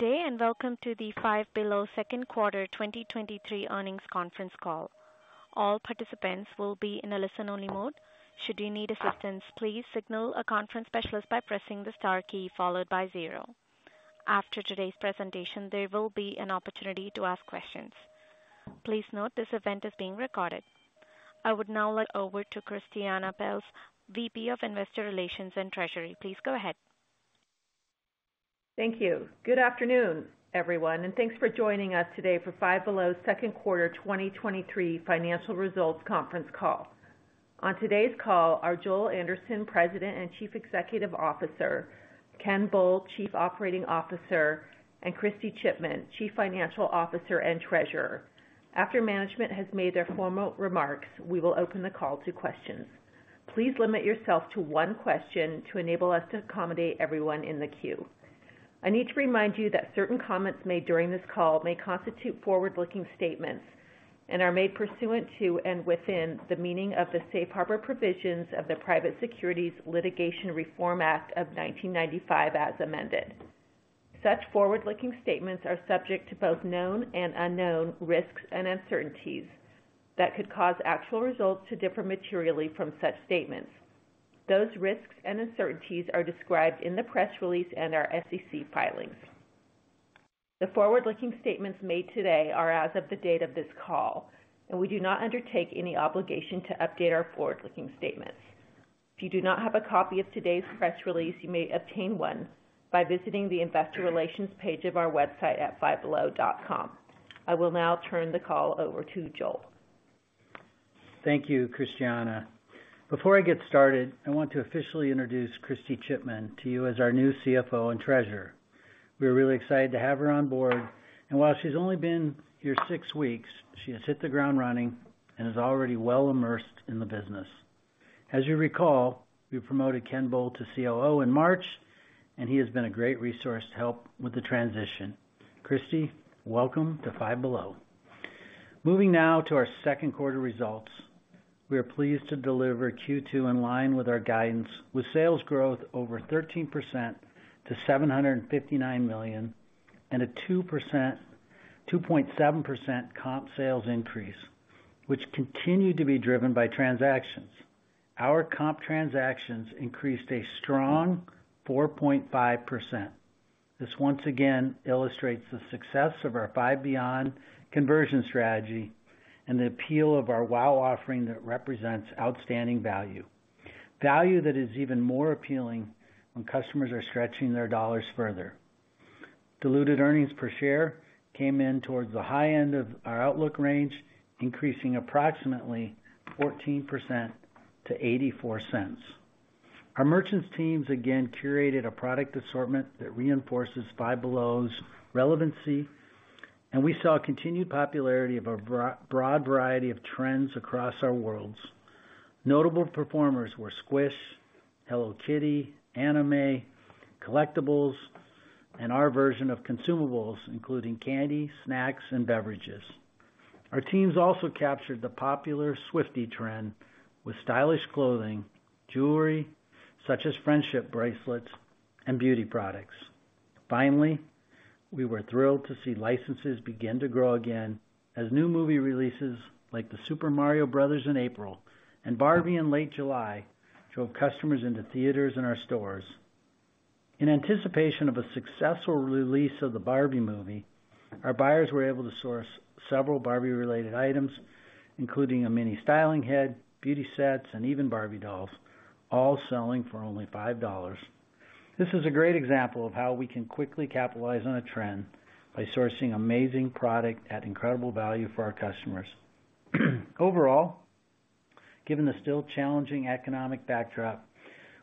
Good day, and welcome to the Five Below Second Quarter 2023 Earnings Conference Call. All participants will be in a listen-only mode. Should you need assistance, please signal a conference specialist by pressing the star key followed by zero. After today's presentation, there will be an opportunity to ask questions. Please note, this event is being recorded. I would now like over to Christiane Pelz, VP of Investor Relations and Treasury. Please go ahead. Thank you. Good afternoon, everyone, and thanks for joining us today for Five Below second quarter 2023 financial results conference call. On today's call are Joel Anderson, President and Chief Executive Officer, Ken Bull, Chief Operating Officer, and Kristy Chipman, Chief Financial Officer and Treasurer. After management has made their formal remarks, we will open the call to questions. Please limit yourself to one question to enable us to accommodate everyone in the queue. I need to remind you that certain comments made during this call may constitute forward-looking statements and are made pursuant to and within the meaning of the Safe Harbor Provisions of the Private Securities Litigation Reform Act of 1995, as amended. Such forward-looking statements are subject to both known and unknown risks and uncertainties that could cause actual results to differ materially from such statements. Those risks and uncertainties are described in the press release and our SEC filings. The forward-looking statements made today are as of the date of this call, and we do not undertake any obligation to update our forward-looking statements. If you do not have a copy of today's press release, you may obtain one by visiting the investor relations page of our website at fivebelow.com. I will now turn the call over to Joel. Thank you, Christiane. Before I get started, I want to officially introduce Kristy Chipman to you as our new CFO and Treasurer. We are really excited to have her on board, and while she's only been here six weeks, she has hit the ground running and is already well immersed in the business. As you recall, we promoted Ken Bull to COO in March, and he has been a great resource to help with the transition. Kristy, welcome to Five Below. Moving now to our second quarter results. We are pleased to deliver Q2 in line with our guidance, with sales growth over 13% to $759 million and a 2.7% comp sales increase, which continued to be driven by transactions. Our comp transactions increased a strong 4.5%. This once again illustrates the success of our Five Beyond conversion strategy and the appeal of our wow offering that represents outstanding value. Value that is even more appealing when customers are stretching their dollars further. Diluted earnings per share came in towards the high end of our outlook range, increasing approximately 14% to $0.84. Our merchants teams again curated a product assortment that reinforces Five Below's relevancy, and we saw a continued popularity of a broad variety of trends across our worlds. Notable performers were Squishmallows, Hello Kitty, anime, collectibles, and our version of consumables, including candy, snacks, and beverages. Our teams also captured the popular Swiftie trend with stylish clothing, jewelry such as friendship bracelets and beauty products. Finally, we were thrilled to see licenses begin to grow again as new movie releases, like the Super Mario Bros. in April and Barbie in late July, drove customers into theaters and our stores. In anticipation of a successful release of the Barbie movie, our buyers were able to source several Barbie-related items, including a mini styling head, beauty sets, and even Barbie dolls, all selling for only $5. This is a great example of how we can quickly capitalize on a trend by sourcing amazing product at incredible value for our customers. Overall, given the still challenging economic backdrop,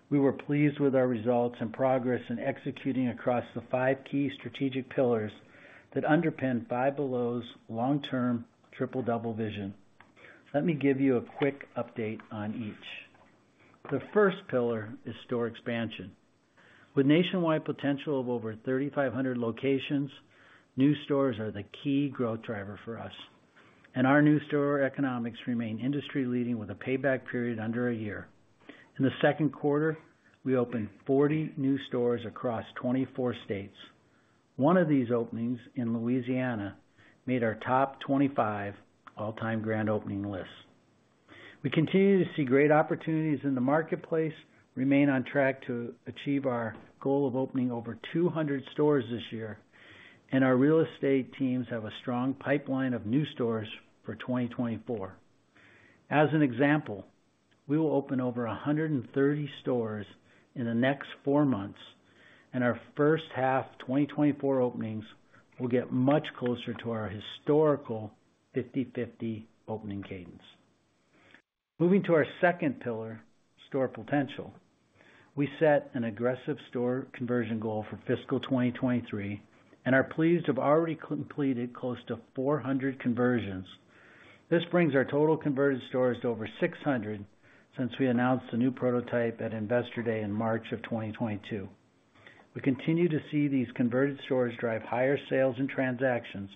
we were pleased with our results and progress in executing across the five key strategic pillars that underpin Five Below's long-term Triple-Double Vision. Let me give you a quick update on each. The first pillar is store expansion. With nationwide potential of over 3,500 locations, new stores are the key growth driver for us, and our new store economics remain industry leading with a payback period under a year. In the second quarter, we opened 40 new stores across 24 states. One of these openings in Louisiana made our top 25 all-time grand opening list. We continue to see great opportunities in the marketplace, remain on track to achieve our goal of opening over 200 stores this year, and our real estate teams have a strong pipeline of new stores for 2024. As an example, we will open over 130 stores in the next four months, and our first half 2024 openings will get much closer to our historical 50/50 opening cadence. Moving to our second pillar, store potential. We set an aggressive store conversion goal for fiscal 2023 and are pleased to have already completed close to 400 conversions. This brings our total converted stores to over 600 since we announced the new prototype at Investor Day in March 2022. We continue to see these converted stores drive higher sales and transactions....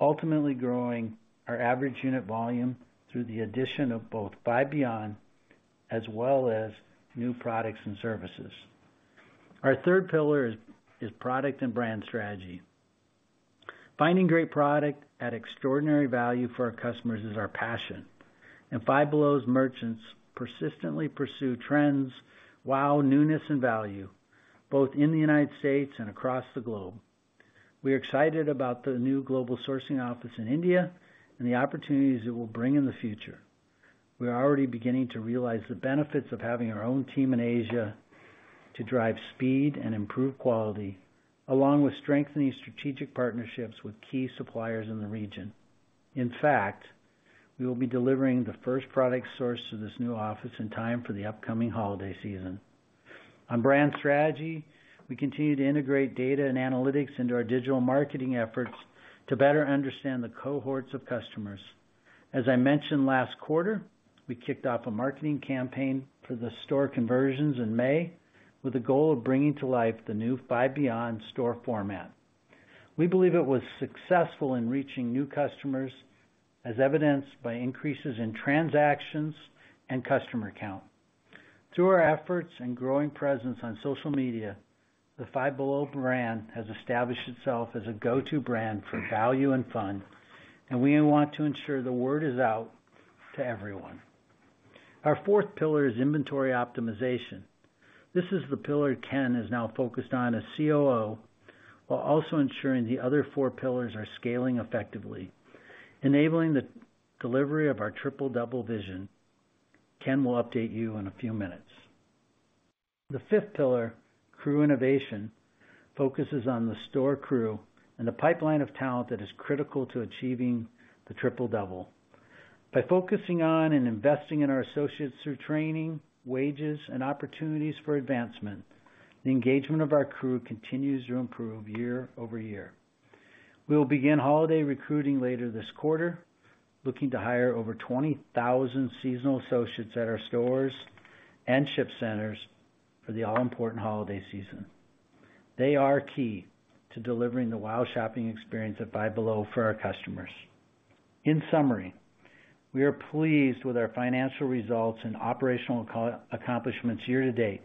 ultimately growing our average unit volume through the addition of both Five Beyond, as well as new products and services. Our third pillar is product and brand strategy. Finding great product at extraordinary value for our customers is our passion. And Five Below's merchants persistently pursue trends, wow, newness, and value, both in the United States and across the globe. We are excited about the new global sourcing office in India and the opportunities it will bring in the future. We are already beginning to realize the benefits of having our own team in Asia to drive speed and improve quality, along with strengthening strategic partnerships with key suppliers in the region. In fact, we will be delivering the first product source to this new office in time for the upcoming holiday season. On brand strategy, we continue to integrate data and analytics into our digital marketing efforts to better understand the cohorts of customers. As I mentioned last quarter, we kicked off a marketing campaign for the store conversions in May, with the goal of bringing to life the new Five Beyond store format. We believe it was successful in reaching new customers, as evidenced by increases in transactions and customer count. Through our efforts and growing presence on social media, the Five Below brand has established itself as a go-to brand for value and fun, and we want to ensure the word is out to everyone. Our fourth pillar is inventory optimization. This is the pillar Ken is now focused on as COO, while also ensuring the other four pillars are scaling effectively, enabling the delivery of our Triple-Double Vision. Ken will update you in a few minutes. The fifth pillar, crew innovation, focuses on the store crew and the pipeline of talent that is critical to achieving the Triple-Double. By focusing on and investing in our associates through training, wages, and opportunities for advancement, the engagement of our crew continues to improve year-over-year. We will begin holiday recruiting later this quarter, looking to hire over 20,000 seasonal associates at our stores and ship centers for the all-important holiday season. They are key to delivering the WOW shopping experience at Five Below for our customers. In summary, we are pleased with our financial results and operational accomplishments year-to-date.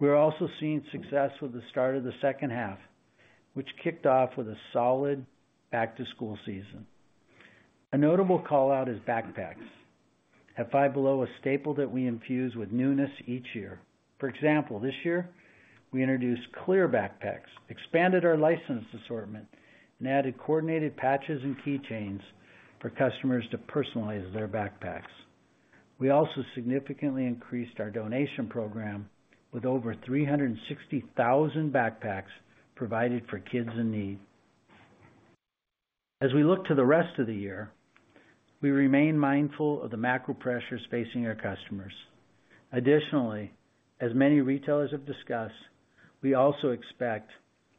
We are also seeing success with the start of the second half, which kicked off with a solid back-to-school season. A notable call-out is backpacks. At Five Below, a staple that we infuse with newness each year. For example, this year, we introduced clear backpacks, expanded our licensed assortment, and added coordinated patches and key chains for customers to personalize their backpacks. We also significantly increased our donation program with over 360,000 backpacks provided for kids in need. As we look to the rest of the year, we remain mindful of the macro pressures facing our customers. Additionally, as many retailers have discussed, we also expect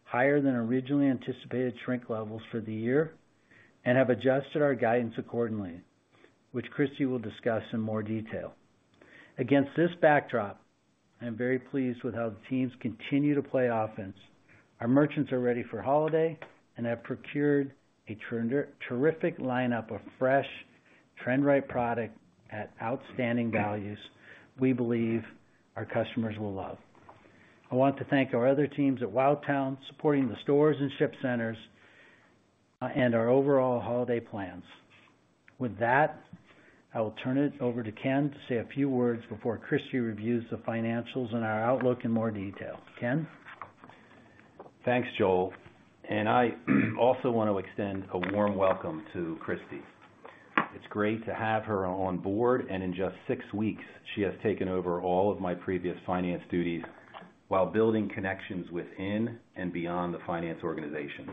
higher than originally anticipated shrink levels for the year and have adjusted our guidance accordingly, which Kristy will discuss in more detail. Against this backdrop, I'm very pleased with how the teams continue to play offense. Our merchants are ready for holiday and have procured a terrific lineup of fresh, trend-right product at outstanding values we believe our customers will love. I want to thank our other teams at Wowtown, supporting the stores and ship centers, and our overall holiday plans. With that, I will turn it over to Ken to say a few words before Kristy reviews the financials and our outlook in more detail. Ken? Thanks, Joel, and I also want to extend a warm welcome to Kristy. It's great to have her on board, and in just six weeks, she has taken over all of my previous finance duties while building connections within and beyond the finance organization.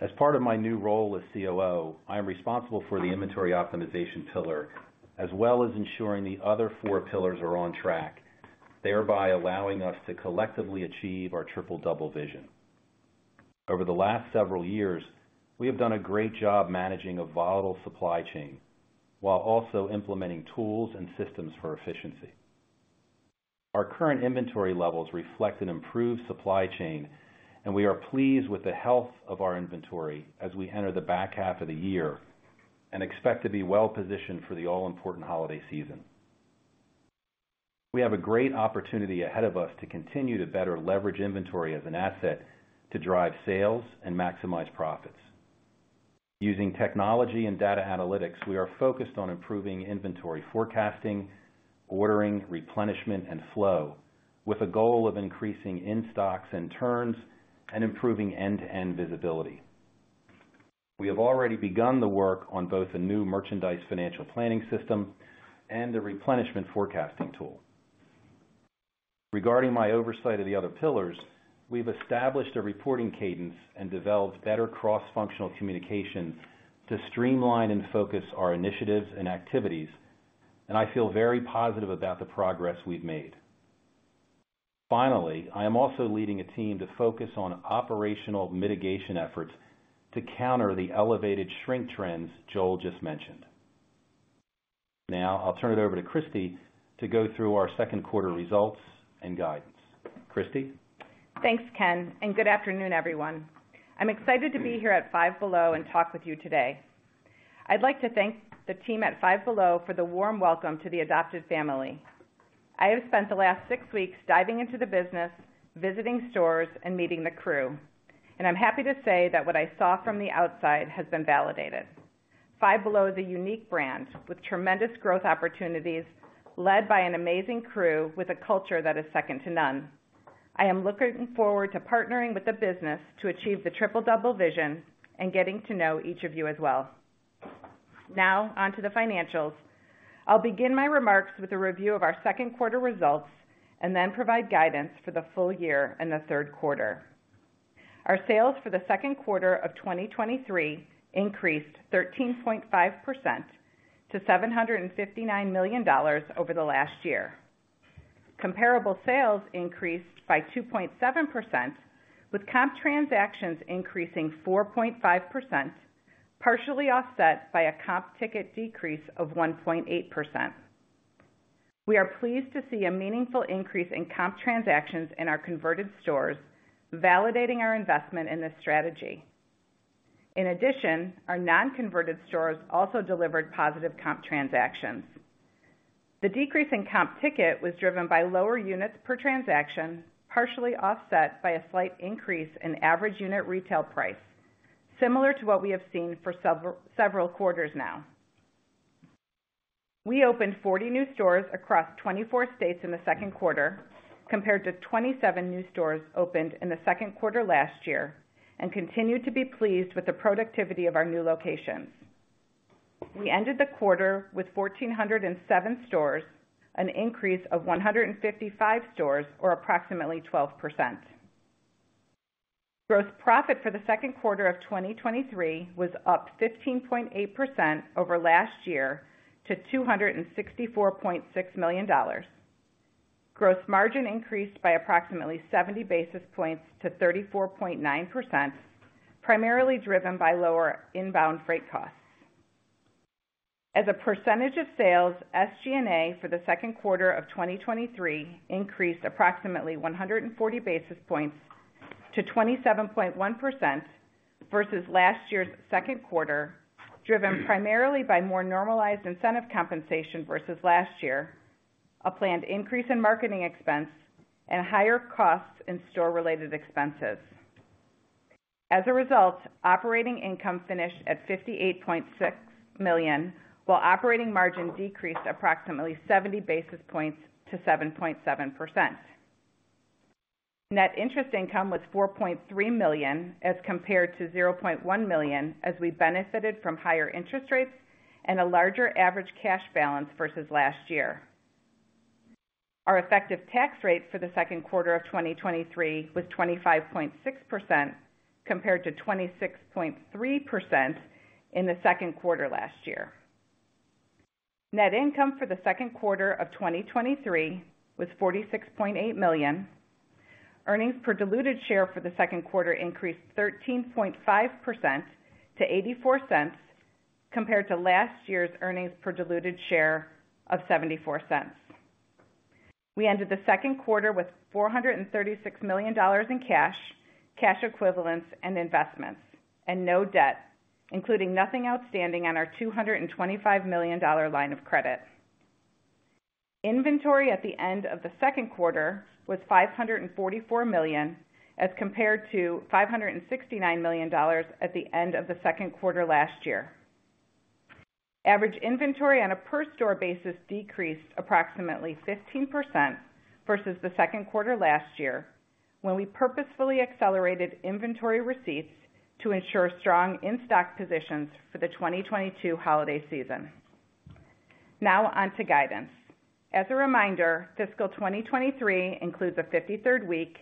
As part of my new role as COO, I am responsible for the inventory optimization pillar, as well as ensuring the other four pillars are on track, thereby allowing us to collectively achieve our Triple-Double Vision. Over the last several years, we have done a great job managing a volatile supply chain, while also implementing tools and systems for efficiency. Our current inventory levels reflect an improved supply chain, and we are pleased with the health of our inventory as we enter the back half of the year and expect to be well-positioned for the all-important holiday season. We have a great opportunity ahead of us to continue to better leverage inventory as an asset, to drive sales and maximize profits. Using technology and data analytics, we are focused on improving inventory forecasting, ordering, replenishment, and flow, with a goal of increasing in-stocks and turns and improving end-to-end visibility. We have already begun the work on both a new merchandise financial planning system and a replenishment forecasting tool. Regarding my oversight of the other pillars, we've established a reporting cadence and developed better cross-functional communication to streamline and focus our initiatives and activities, and I feel very positive about the progress we've made. Finally, I am also leading a team to focus on operational mitigation efforts to counter the elevated shrink trends Joel just mentioned. Now, I'll turn it over to Kristy to go through our second quarter results and guidance. Kristy? Thanks, Ken, and good afternoon, everyone. I'm excited to be here at Five Below and talk with you today. I'd like to thank the team at Five Below for the warm welcome to the adopted family. I have spent the last six weeks diving into the business, visiting stores, and meeting the crew, and I'm happy to say that what I saw from the outside has been validated. Five Below is a unique brand with tremendous growth opportunities, led by an amazing crew with a culture that is second to none. I am looking forward to partnering with the business to achieve the Triple-Double Vision and getting to know each of you as well. Now, on to the financials. I'll begin my remarks with a review of our second quarter results, and then provide guidance for the full year and the third quarter. Our sales for the second quarter of 2023 increased 13.5% to $759 million over the last year. Comparable sales increased by 2.7%, with comp transactions increasing 4.5%, partially offset by a comp ticket decrease of 1.8%. We are pleased to see a meaningful increase in comp transactions in our converted stores, validating our investment in this strategy. In addition, our non-converted stores also delivered positive comp transactions. The decrease in comp ticket was driven by lower units per transaction, partially offset by a slight increase in average unit retail price, similar to what we have seen for several quarters now. We opened 40 new stores across 24 states in the second quarter, compared to 27 new stores opened in the second quarter last year, and continued to be pleased with the productivity of our new locations. We ended the quarter with 1,407 stores, an increase of 155 stores, or approximately 12%. Gross profit for the second quarter of 2023 was up 15.8% over last year to $264.6 million. Gross margin increased by approximately 70 basis points to 34.9%, primarily driven by lower inbound freight costs. As a percentage of sales, SG&A for the second quarter of 2023 increased approximately 140 basis points to 27.1% versus last year's second quarter, driven primarily by more normalized incentive compensation versus last year, a planned increase in marketing expense, and higher costs in store-related expenses. As a result, operating income finished at $58.6 million, while operating margin decreased approximately 70 basis points to 7.7%. Net interest income was $4.3 million, as compared to $0.1 million, as we benefited from higher interest rates and a larger average cash balance versus last year. Our effective tax rate for the second quarter of 2023 was 25.6%, compared to 26.3% in the second quarter last year. Net income for the second quarter of 2023 was $46.8 million. Earnings per diluted share for the second quarter increased 13.5% to $0.84, compared to last year's earnings per diluted share of $0.74. We ended the second quarter with $436 million in cash, cash equivalents, and investments, and no debt, including nothing outstanding on our $225 million line of credit. Inventory at the end of the second quarter was $544 million, as compared to $569 million at the end of the second quarter last year. Average inventory on a per store basis decreased approximately 15% versus the second quarter last year, when we purposefully accelerated inventory receipts to ensure strong in-stock positions for the 2022 holiday season. Now on to guidance. As a reminder, fiscal 2023 includes a 53rd week,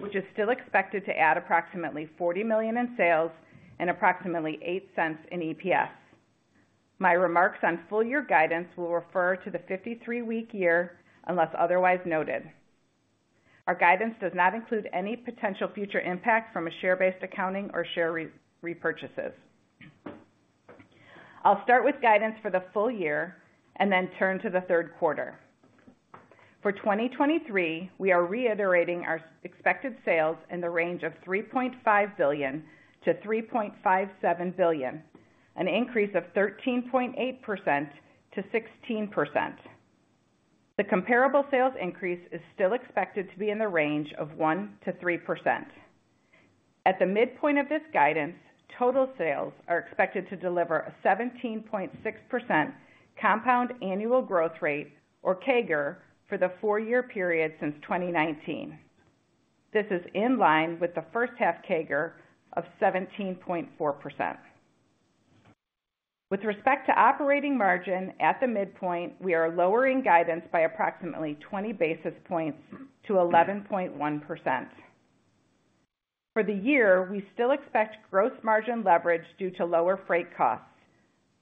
which is still expected to add approximately $40 million in sales and approximately $0.08 in EPS. My remarks on full-year guidance will refer to the 53-week year, unless otherwise noted. Our guidance does not include any potential future impact from a share-based accounting or share repurchases. I'll start with guidance for the full year and then turn to the third quarter. For 2023, we are reiterating our expected sales in the range of $3.5 billion-$3.57 billion, an increase of 13.8%-16%. The comparable sales increase is still expected to be in the range of 1%-3%. At the midpoint of this guidance, total sales are expected to deliver a 17.6% compound annual growth rate, or CAGR, for the four-year period since 2019. This is in line with the first half CAGR of 17.4%. With respect to operating margin, at the midpoint, we are lowering guidance by approximately 20 basis points to 11.1%. For the year, we still expect gross margin leverage due to lower freight costs,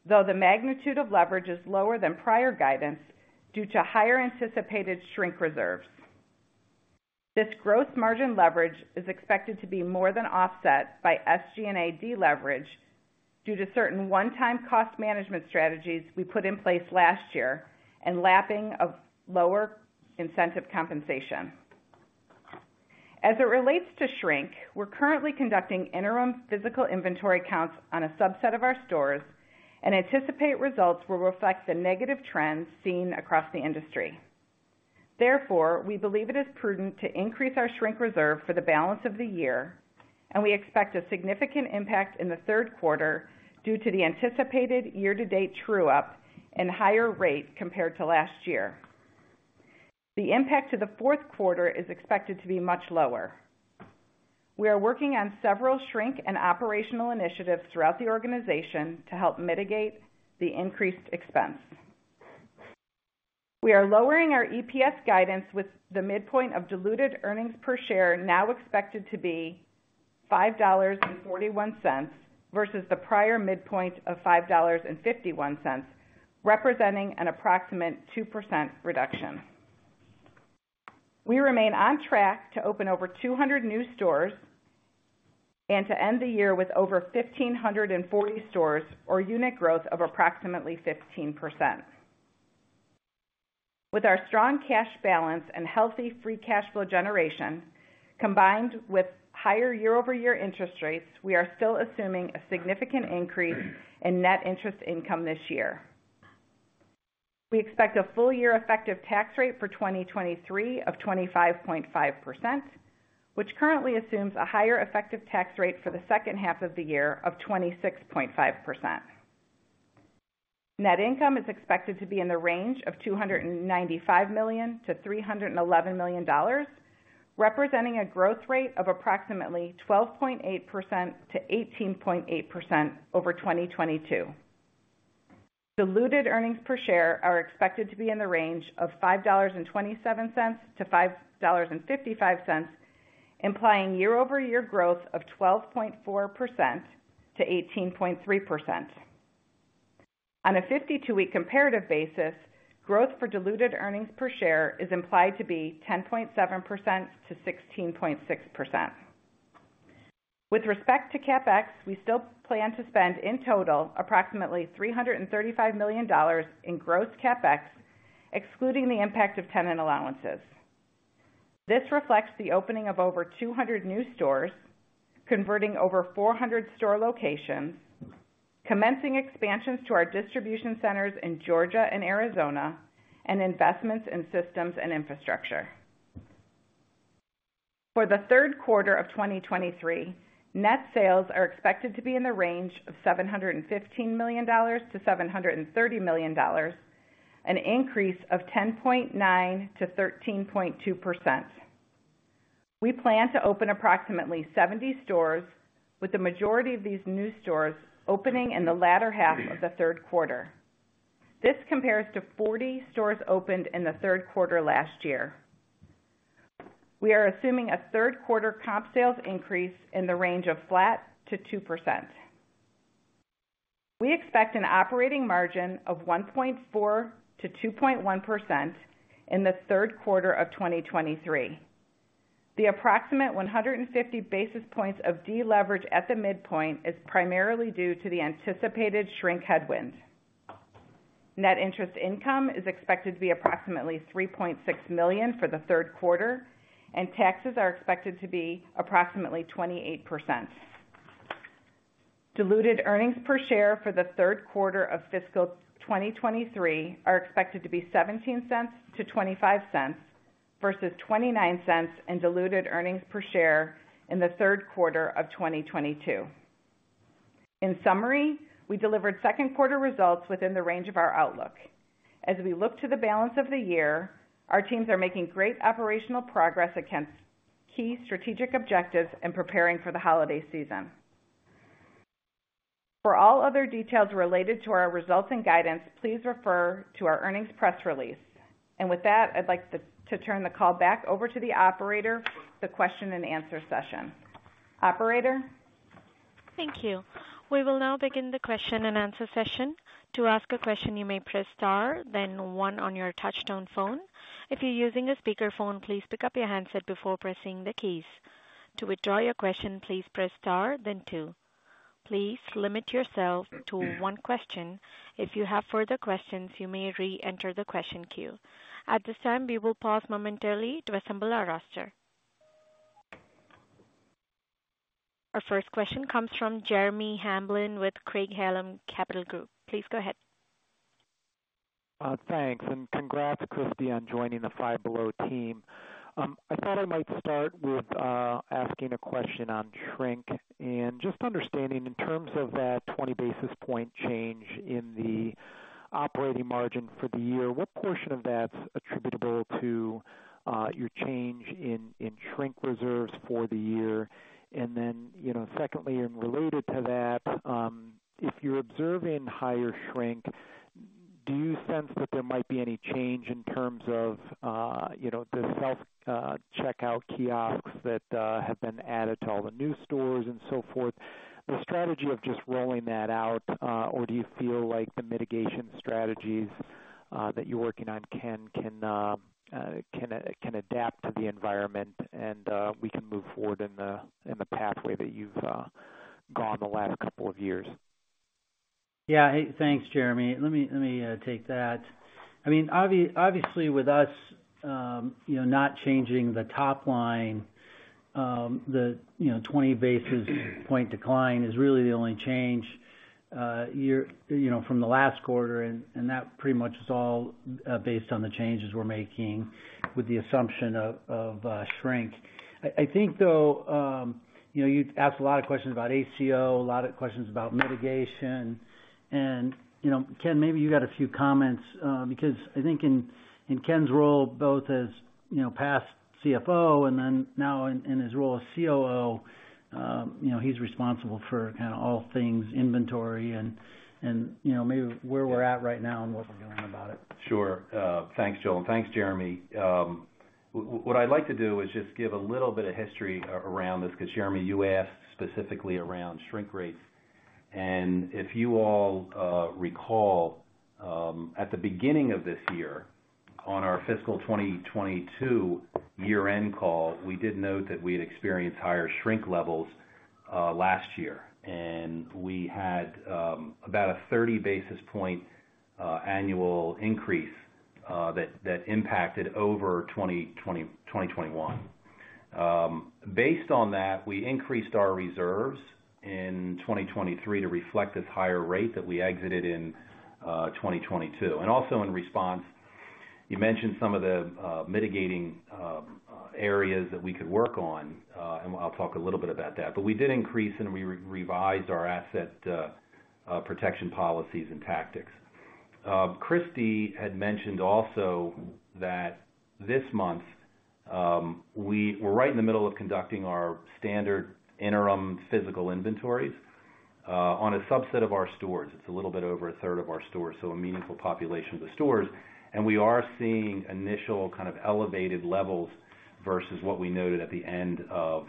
though the magnitude of leverage is lower than prior guidance due to higher anticipated shrink reserves.... This gross margin leverage is expected to be more than offset by SG&A deleverage due to certain one-time cost management strategies we put in place last year and lapping of lower incentive compensation. As it relates to shrink, we're currently conducting interim physical inventory counts on a subset of our stores and anticipate results will reflect the negative trends seen across the industry. Therefore, we believe it is prudent to increase our shrink reserve for the balance of the year, and we expect a significant impact in the third quarter due to the anticipated year-to-date true up and higher rate compared to last year. The impact to the fourth quarter is expected to be much lower. We are working on several shrink and operational initiatives throughout the organization to help mitigate the increased expense. We are lowering our EPS guidance, with the midpoint of diluted earnings per share now expected to be $5.41 versus the prior midpoint of $5.51, representing an approximate 2% reduction. We remain on track to open over 200 new stores and to end the year with over 1,540 stores, or unit growth of approximately 15%. With our strong cash balance and healthy free cash flow generation, combined with higher year-over-year interest rates, we are still assuming a significant increase in net interest income this year. We expect a full year effective tax rate for 2023 of 25.5%, which currently assumes a higher effective tax rate for the second half of the year of 26.5%. Net income is expected to be in the range of $295 million-$311 million, representing a growth rate of approximately 12.8%-18.8% over 2022. Diluted earnings per share are expected to be in the range of $5.27-$5.55, implying year-over-year growth of 12.4%-18.3%. On a 52-week comparative basis, growth for diluted earnings per share is implied to be 10.7%-16.6%. With respect to CapEx, we still plan to spend, in total, approximately $335 million in gross CapEx, excluding the impact of tenant allowances. This reflects the opening of over 200 new stores, converting over 400 store locations, commencing expansions to our distribution centers in Georgia and Arizona, and investments in systems and infrastructure. For the third quarter of 2023, net sales are expected to be in the range of $715 million-$730 million, an increase of 10.9%-13.2%. We plan to open approximately 70 stores, with the majority of these new stores opening in the latter half of the third quarter. This compares to 40 stores opened in the third quarter last year. We are assuming a third quarter comp sales increase in the range of flat to 2%. We expect an operating margin of 1.4%-2.1% in the third quarter of 2023. The approximate 150 basis points of deleverage at the midpoint is primarily due to the anticipated shrink headwinds. Net interest income is expected to be approximately $3.6 million for the third quarter, and taxes are expected to be approximately 28%. Diluted earnings per share for the third quarter of fiscal 2023 are expected to be $0.17-$0.25, versus $0.29 in diluted earnings per share in the third quarter of 2022. In summary, we delivered second quarter results within the range of our outlook. As we look to the balance of the year, our teams are making great operational progress against key strategic objectives and preparing for the holiday season. For all other details related to our results and guidance, please refer to our earnings press release. And with that, I'd like to turn the call back over to the operator for the question and answer session. Operator? Thank you. We will now begin the question and answer session. To ask a question, you may press star, then one on your touchtone phone. If you're using a speakerphone, please pick up your handset before pressing the keys. To withdraw your question, please press star then two. Please limit yourself to one question. If you have further questions, you may reenter the question queue. At this time, we will pause momentarily to assemble our roster. Our first question comes from Jeremy Hamblin with Craig-Hallum Capital Group. Please go ahead. Thanks, and congrats, Kristy, on joining the Five Below team. I thought I might start with asking a question on shrink and just understanding in terms of that 20 basis point change in the operating margin for the year, what portion of that's attributable to your change in shrink reserves for the year? And then, you know, secondly, and related to that, if you're observing higher shrink, do you sense that there might be any change in terms of you know, the self checkout kiosks that have been added to all the new stores and so forth?... the strategy of just rolling that out, or do you feel like the mitigation strategies that you're working on can adapt to the environment and we can move forward in the pathway that you've gone the last couple of years? Yeah. Hey, thanks, Jeremy. Let me take that. I mean, obviously, with us, you know, not changing the top line, the, you know, 20 basis point decline is really the only change, year-over-year from the last quarter, and that pretty much is all based on the changes we're making with the assumption of shrink. I think, though, you know, you asked a lot of questions about ACO, a lot of questions about mitigation. And, you know, Ken, maybe you got a few comments, because I think in Ken's role, both as, you know, past CFO and then now in his role as COO, you know, he's responsible for kinda all things inventory and, you know, maybe where we're at right now and what we're doing about it. Sure. Thanks, Joel, and thanks, Jeremy. What I'd like to do is just give a little bit of history around this, because, Jeremy, you asked specifically around shrink rates. And if you all recall, at the beginning of this year, on our fiscal 2022 year-end call, we did note that we had experienced higher shrink levels last year, and we had about a 30 basis point annual increase that impacted 2022 over 2021. Based on that, we increased our reserves in 2023 to reflect this higher rate that we exited in 2022. And also in response, you mentioned some of the mitigating areas that we could work on, and I'll talk a little bit about that. But we did increase and we revised our asset protection policies and tactics. Kristy had mentioned also that this month, we're right in the middle of conducting our standard interim physical inventories on a subset of our stores. It's a little bit over a third of our stores, so a meaningful population of the stores. And we are seeing initial kind of elevated levels versus what we noted at the end of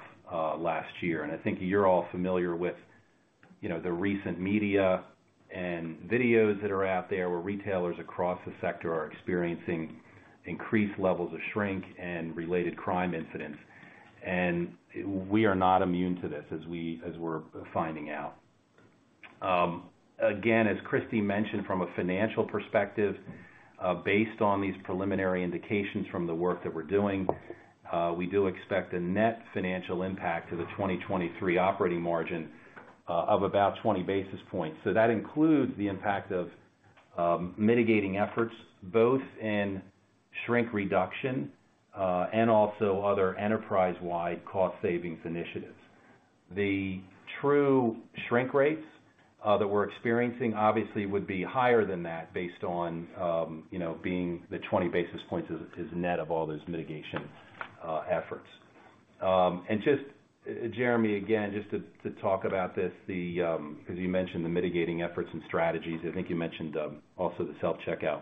last year. And I think you're all familiar with, you know, the recent media and videos that are out there, where retailers across the sector are experiencing increased levels of shrink and related crime incidents. And we are not immune to this, as we're finding out. Again, as Kristy mentioned, from a financial perspective, based on these preliminary indications from the work that we're doing, we do expect a net financial impact to the 2023 operating margin, of about 20 basis points. So that includes the impact of, mitigating efforts, both in shrink reduction, and also other enterprise-wide cost savings initiatives. The true shrink rates, that we're experiencing, obviously, would be higher than that, based on, you know, being the 20 basis points is, is net of all those mitigation, efforts. And just, Jeremy, again, just to, to talk about this, the, because you mentioned the mitigating efforts and strategies, I think you mentioned, also the self-checkout.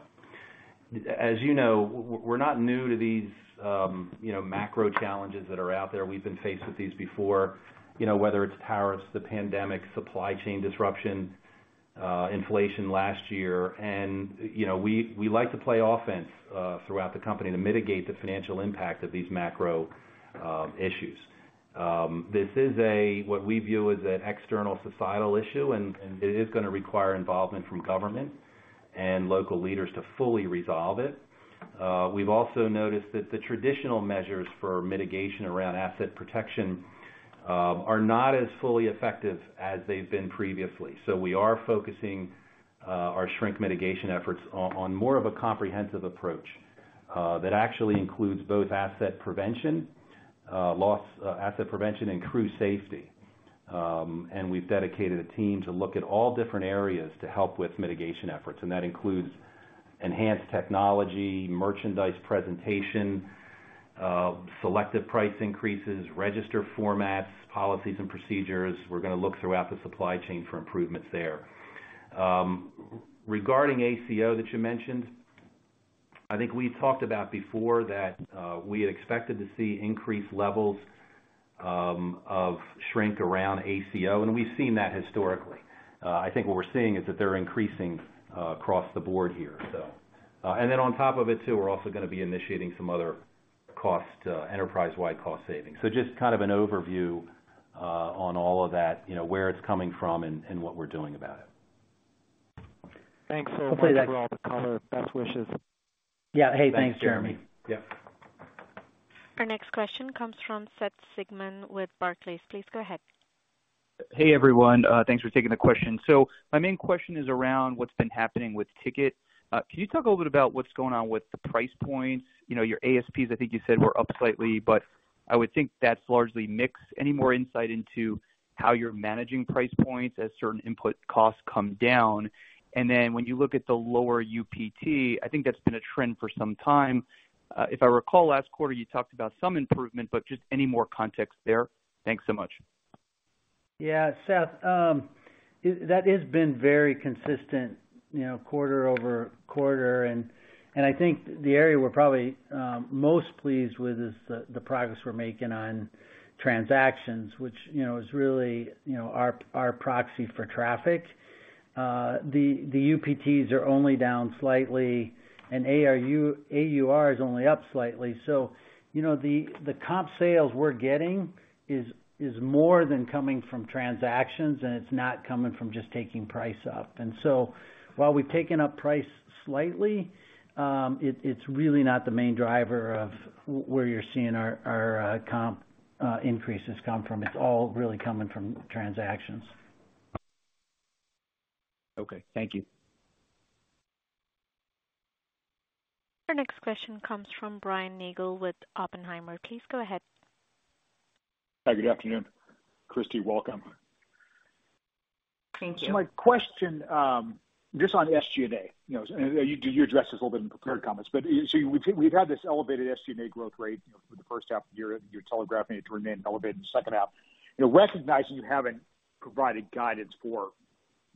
As you know, we're not new to these, you know, macro challenges that are out there. We've been faced with these before, you know, whether it's tariffs, the pandemic, supply chain disruption, inflation last year. You know, we like to play offense throughout the company to mitigate the financial impact of these macro issues. This is what we view as an external societal issue, and it is gonna require involvement from government and local leaders to fully resolve it. We've also noticed that the traditional measures for mitigation around asset protection are not as fully effective as they've been previously. So we are focusing our shrink mitigation efforts on more of a comprehensive approach that actually includes both asset prevention, loss, asset prevention, and crew safety. And we've dedicated a team to look at all different areas to help with mitigation efforts, and that includes enhanced technology, merchandise presentation, selective price increases, register formats, policies and procedures. We're gonna look throughout the supply chain for improvements there. Regarding ACO that you mentioned, I think we talked about before that we had expected to see increased levels of shrink around ACO, and we've seen that historically. I think what we're seeing is that they're increasing across the board here, so... And then on top of it, too, we're also gonna be initiating some other enterprise-wide cost savings. So just kind of an overview on all of that, you know, where it's coming from and what we're doing about it. Thanks so much for all the color. Best wishes. Yeah. Hey, thanks, Jeremy. Yeah. Our next question comes from Seth Sigman with Barclays. Please go ahead. Hey, everyone. Thanks for taking the question. So my main question is around what's been happening with ticket. Can you talk a little bit about what's going on with the price points? You know, your ASPs, I think you said, were up slightly, but I would think that's largely mixed. Any more insight into how you're managing price points as certain input costs come down? And then when you look at the lower UPT, I think that's been a trend for some time. If I recall, last quarter you talked about some improvement, but just any more context there? Thanks so much. Yeah, Seth, that has been very consistent, you know, quarter-over-quarter. And I think the area we're probably most pleased with is the progress we're making on transactions, which, you know, is really, you know, our proxy for traffic. The UPTs are only down slightly, and ARU-AUR is only up slightly. So, you know, the comp sales we're getting is more than coming from transactions, and it's not coming from just taking price up. And so while we've taken up price slightly, it, it's really not the main driver of where you're seeing our comp increases come from. It's all really coming from transactions. Okay, thank you. Our next question comes from Brian Nagel with Oppenheimer. Please go ahead. Hi, good afternoon. Kristy, welcome. Thank you. So my question, just on SG&A, you know, and you addressed this a little bit in prepared comments, but, so we've had this elevated SG&A growth rate, you know, for the first half of the year. You're telegraphing it to remain elevated in the second half. You know, recognizing you haven't provided guidance for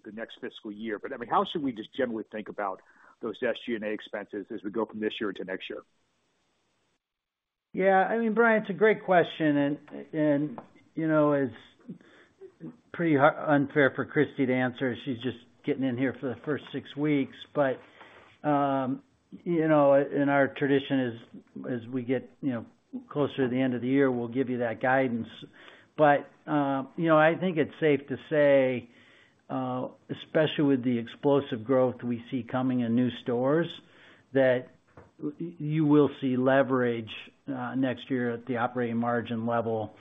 the next fiscal year, but, I mean, how should we just generally think about those SG&A expenses as we go from this year to next year? Yeah, I mean, Brian, it's a great question, and you know, it's pretty unfair for Kristy to answer. She's just getting in here for the first six weeks. But you know, and our tradition is, as we get, you know, closer to the end of the year, we'll give you that guidance. But you know, I think it's safe to say, especially with the explosive growth we see coming in new stores, that you will see leverage next year at the operating margin level.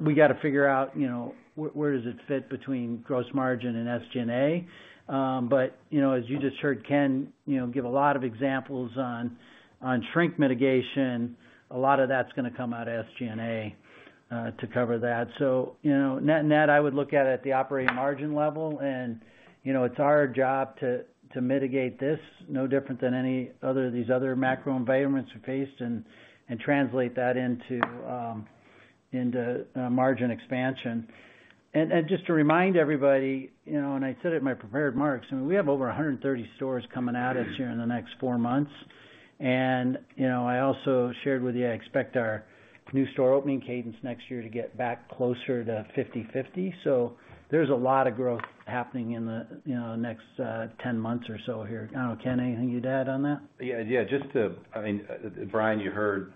We got to figure out, you know, where does it fit between gross margin and SG&A? But you know, as you just heard Ken, you know, give a lot of examples on shrink mitigation, a lot of that's gonna come out of SG&A to cover that. So, you know, net-net, I would look at it at the operating margin level, and, you know, it's our job to, to mitigate this, no different than any other—these other macro environments we faced, and, and translate that into, into margin expansion. And, and just to remind everybody, you know, and I said it in my prepared remarks, and we have over 130 stores coming at us here in the next four months. And, you know, I also shared with you, I expect our new store opening cadence next year to get back closer to 50/50. So there's a lot of growth happening in the, you know, next, 10 months or so here. I don't know, Ken, anything you'd add on that? Yeah, yeah, just to... I mean, Brian, you heard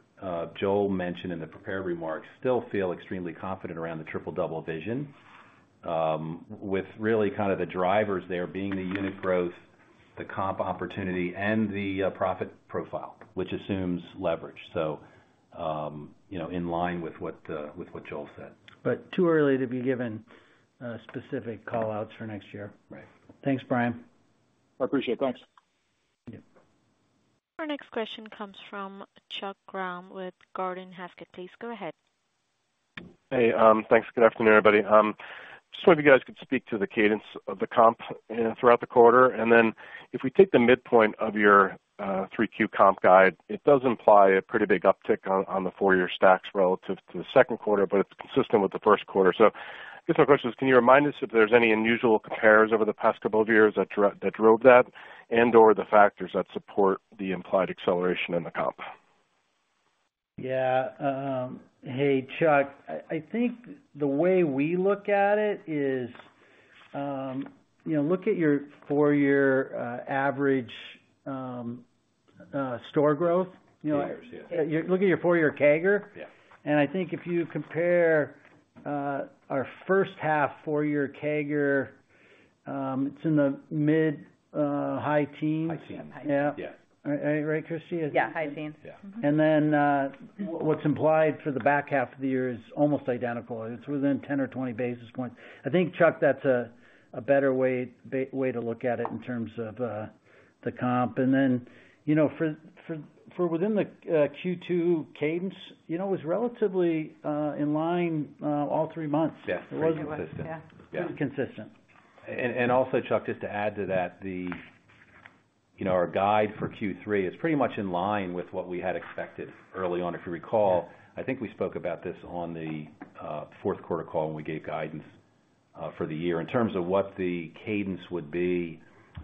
Joel mention in the prepared remarks, still feel extremely confident around the Triple-Double Vision, with really kind of the drivers there being the unit growth, the comp opportunity, and the profit profile, which assumes leverage. So, you know, in line with what Joel said. But too early to be giving specific call-outs for next year. Right. Thanks, Brian. I appreciate it. Thanks. Thank you. Our next question comes from Chuck Grom with Gordon Haskett. Please go ahead. Hey, thanks. Good afternoon, everybody. Just wonder if you guys could speak to the cadence of the comp throughout the quarter. And then if we take the midpoint of your three Q comp guide, it does imply a pretty big uptick on the four-year stacks relative to the second quarter, but it's consistent with the first quarter. So I guess my question is, can you remind us if there's any unusual compares over the past couple of years that drove that, and/or the factors that support the implied acceleration in the comp? Yeah, hey, Chuck, I think the way we look at it is, you know, look at your four-year average store growth. Years, yeah. Look at your four-year CAGR. Yeah. I think if you compare our first half four-year CAGR, it's in the mid-high teens. High teens. High teens. Yeah. Yes. Right, Kristy? Yeah, high teens. Yeah. And then, what's implied for the back half of the year is almost identical. It's within 10 or 20 basis points. I think, Chuck, that's a better way to look at it in terms of the comp. And then, you know, for within the Q2 cadence, you know, it was relatively in line all three months. Yes, it was consistent. Yeah. Yeah. Consistent. Also, Chuck, just to add to that, you know, our guide for Q3 is pretty much in line with what we had expected early on. If you recall, I think we spoke about this on the fourth quarter call when we gave guidance for the year. In terms of what the cadence would be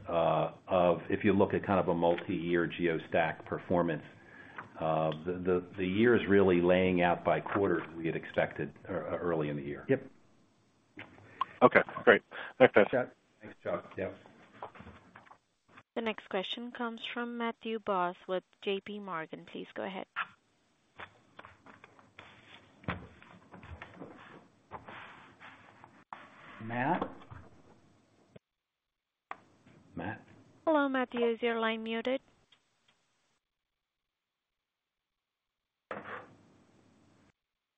of if you look at kind of a multi-year geo stack performance, the year is really laying out by quarter than we had expected early in the year. Yep. Okay, great. Thanks, guys. Thanks, Chuck. Yeah. The next question comes from Matthew Boss with JP Morgan. Please go ahead. Matt? Matt? Hello, Matthew, is your line muted?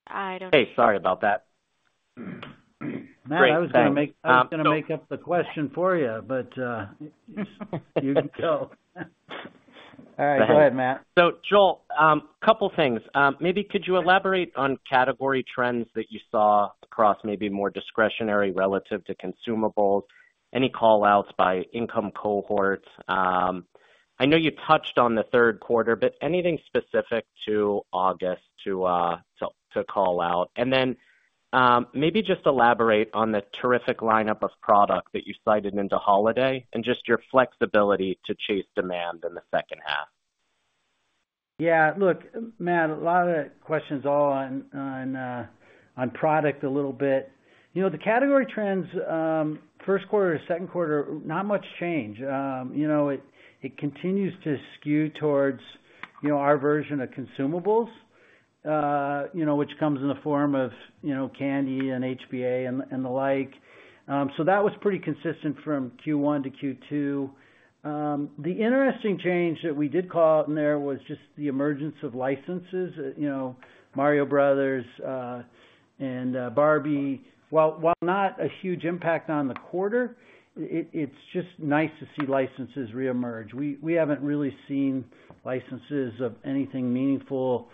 I don't- Hey, sorry about that. Matt, I was gonna make up the question for you, but you can go. All right, go ahead, Matt. So, Joel, couple things. Maybe could you elaborate on category trends that you saw across maybe more discretionary relative to consumables? Any call-outs by income cohorts? I know you touched on the third quarter, but anything specific to August to, to call out? And then, maybe just elaborate on the terrific lineup of product that you cited into holiday and just your flexibility to chase demand in the second half. Yeah. Look, Matt, a lot of questions all on product a little bit. You know, the category trends, first quarter, second quarter, not much change. You know, it continues to skew towards, you know, our version of consumables, you know, which comes in the form of, you know, candy and HBA and the like. So that was pretty consistent from Q1 to Q2. The interesting change that we did call out in there was just the emergence of licenses, you know, Mario Brothers and Barbie. While not a huge impact on the quarter, it's just nice to see licenses reemerge. We haven't really seen licenses of anything meaningful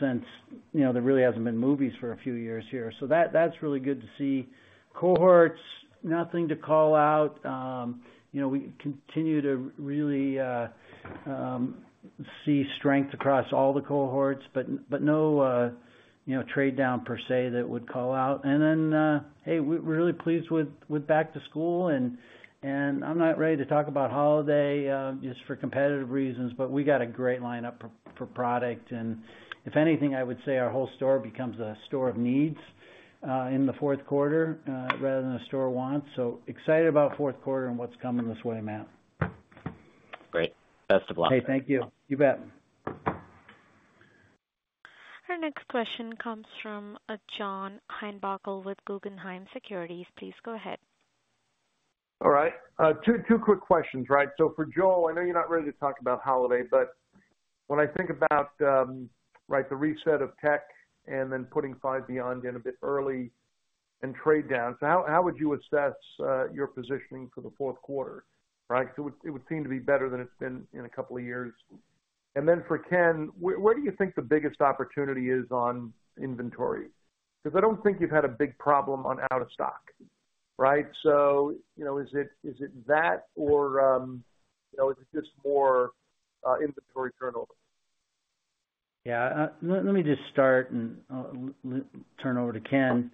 since, you know, there really hasn't been movies for a few years here. So that's really good to see. Cohorts, nothing to call out. You know, we continue to really see strength across all the cohorts, but, but no, you know, trade down per se, that would call out. And then, hey, we're really pleased with, with back to school and, and I'm not ready to talk about holiday, just for competitive reasons, but we got a great lineup for, for product. And if anything, I would say our whole store becomes a store of needs, in the fourth quarter, rather than a store wants. So excited about fourth quarter and what's coming this way, Matt. Great. Best of luck. Hey, thank you. You bet. Our next question comes from, John Heinbockel with Guggenheim Securities. Please go ahead. All right, two, two quick questions, right? So for Joel, I know you're not ready to talk about holiday, but when I think about, right, the reset of tech and then putting Five Beyond in a bit early and trade downs, how, how would you assess, your positioning for the fourth quarter? Right? So it would, it would seem to be better than it's been in a couple of years. And then for Ken, where, where do you think the biggest opportunity is on inventory? Because I don't think you've had a big problem on out of stock, right? So, you know, is it, is it that or, you know, is it just more, inventory turnover? Yeah, let me just start and I'll turn over to Ken.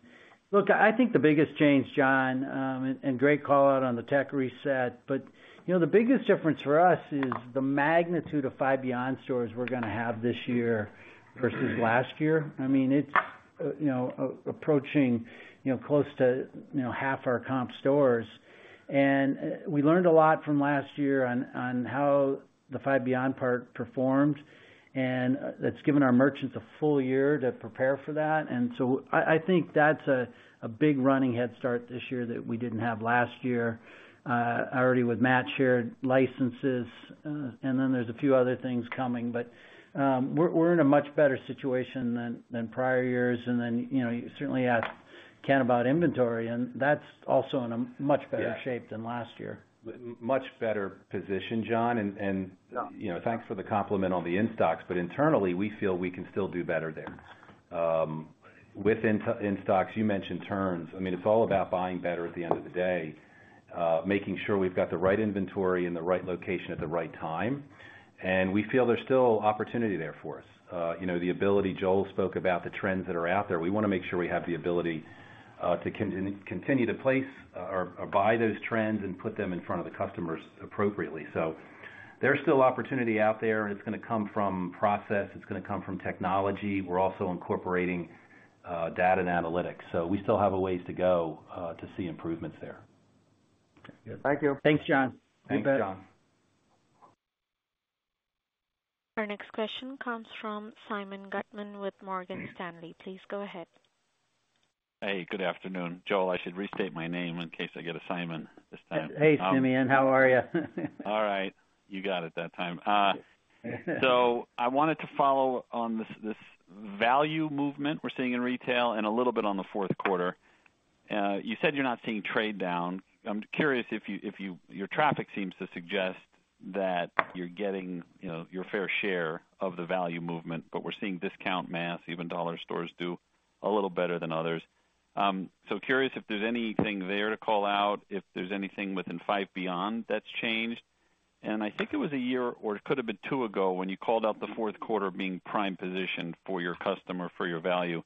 Look, I think the biggest change, John, and great call out on the tech reset, but, you know, the biggest difference for us is the magnitude of Five Beyond stores we're gonna have this year versus last year. I mean, it's, you know, approaching, you know, close to, you know, half our comp stores. And we learned a lot from last year on how the Five Beyond part performed, and that's given our merchants a full year to prepare for that. And so I think that's a big running head start this year that we didn't have last year. Already with Matt shared licenses, and then there's a few other things coming. But we're in a much better situation than prior years. Then, you know, you certainly ask Ken about inventory, and that's also in a much better- Yeah... shape than last year. Much better position, John. And, and- Yeah... you know, thanks for the compliment on the in stocks, but internally, we feel we can still do better there. With in, in stocks, you mentioned turns. I mean, it's all about buying better at the end of the day, making sure we've got the right inventory in the right location at the right time, and we feel there's still opportunity there for us. You know, the ability Joel spoke about, the trends that are out there, we wanna make sure we have the ability, to continue to place or buy those trends and put them in front of the customers appropriately. So there's still opportunity out there, and it's gonna come from process, it's gonna come from technology. We're also incorporating, data and analytics, so we still have a ways to go, to see improvements there. Thank you. Thanks, John. You bet. Thanks, John. Our next question comes from Simeon Gutman with Morgan Stanley. Please go ahead. Hey, good afternoon. Joel, I should restate my name in case I get a Simon this time. Hey, Simeon, how are you? All right, you got it that time. So I wanted to follow on this, this value movement we're seeing in retail and a little bit on the fourth quarter. You said you're not seeing trade down. I'm curious if you, if you, your traffic seems to suggest that you're getting, you know, your fair share of the value movement, but we're seeing discount mass, even dollar stores do a little better than others. So curious if there's anything there to call out, if there's anything within Five Beyond that's changed. And I think it was a year, or it could have been two ago, when you called out the fourth quarter being prime position for your customer, for your value.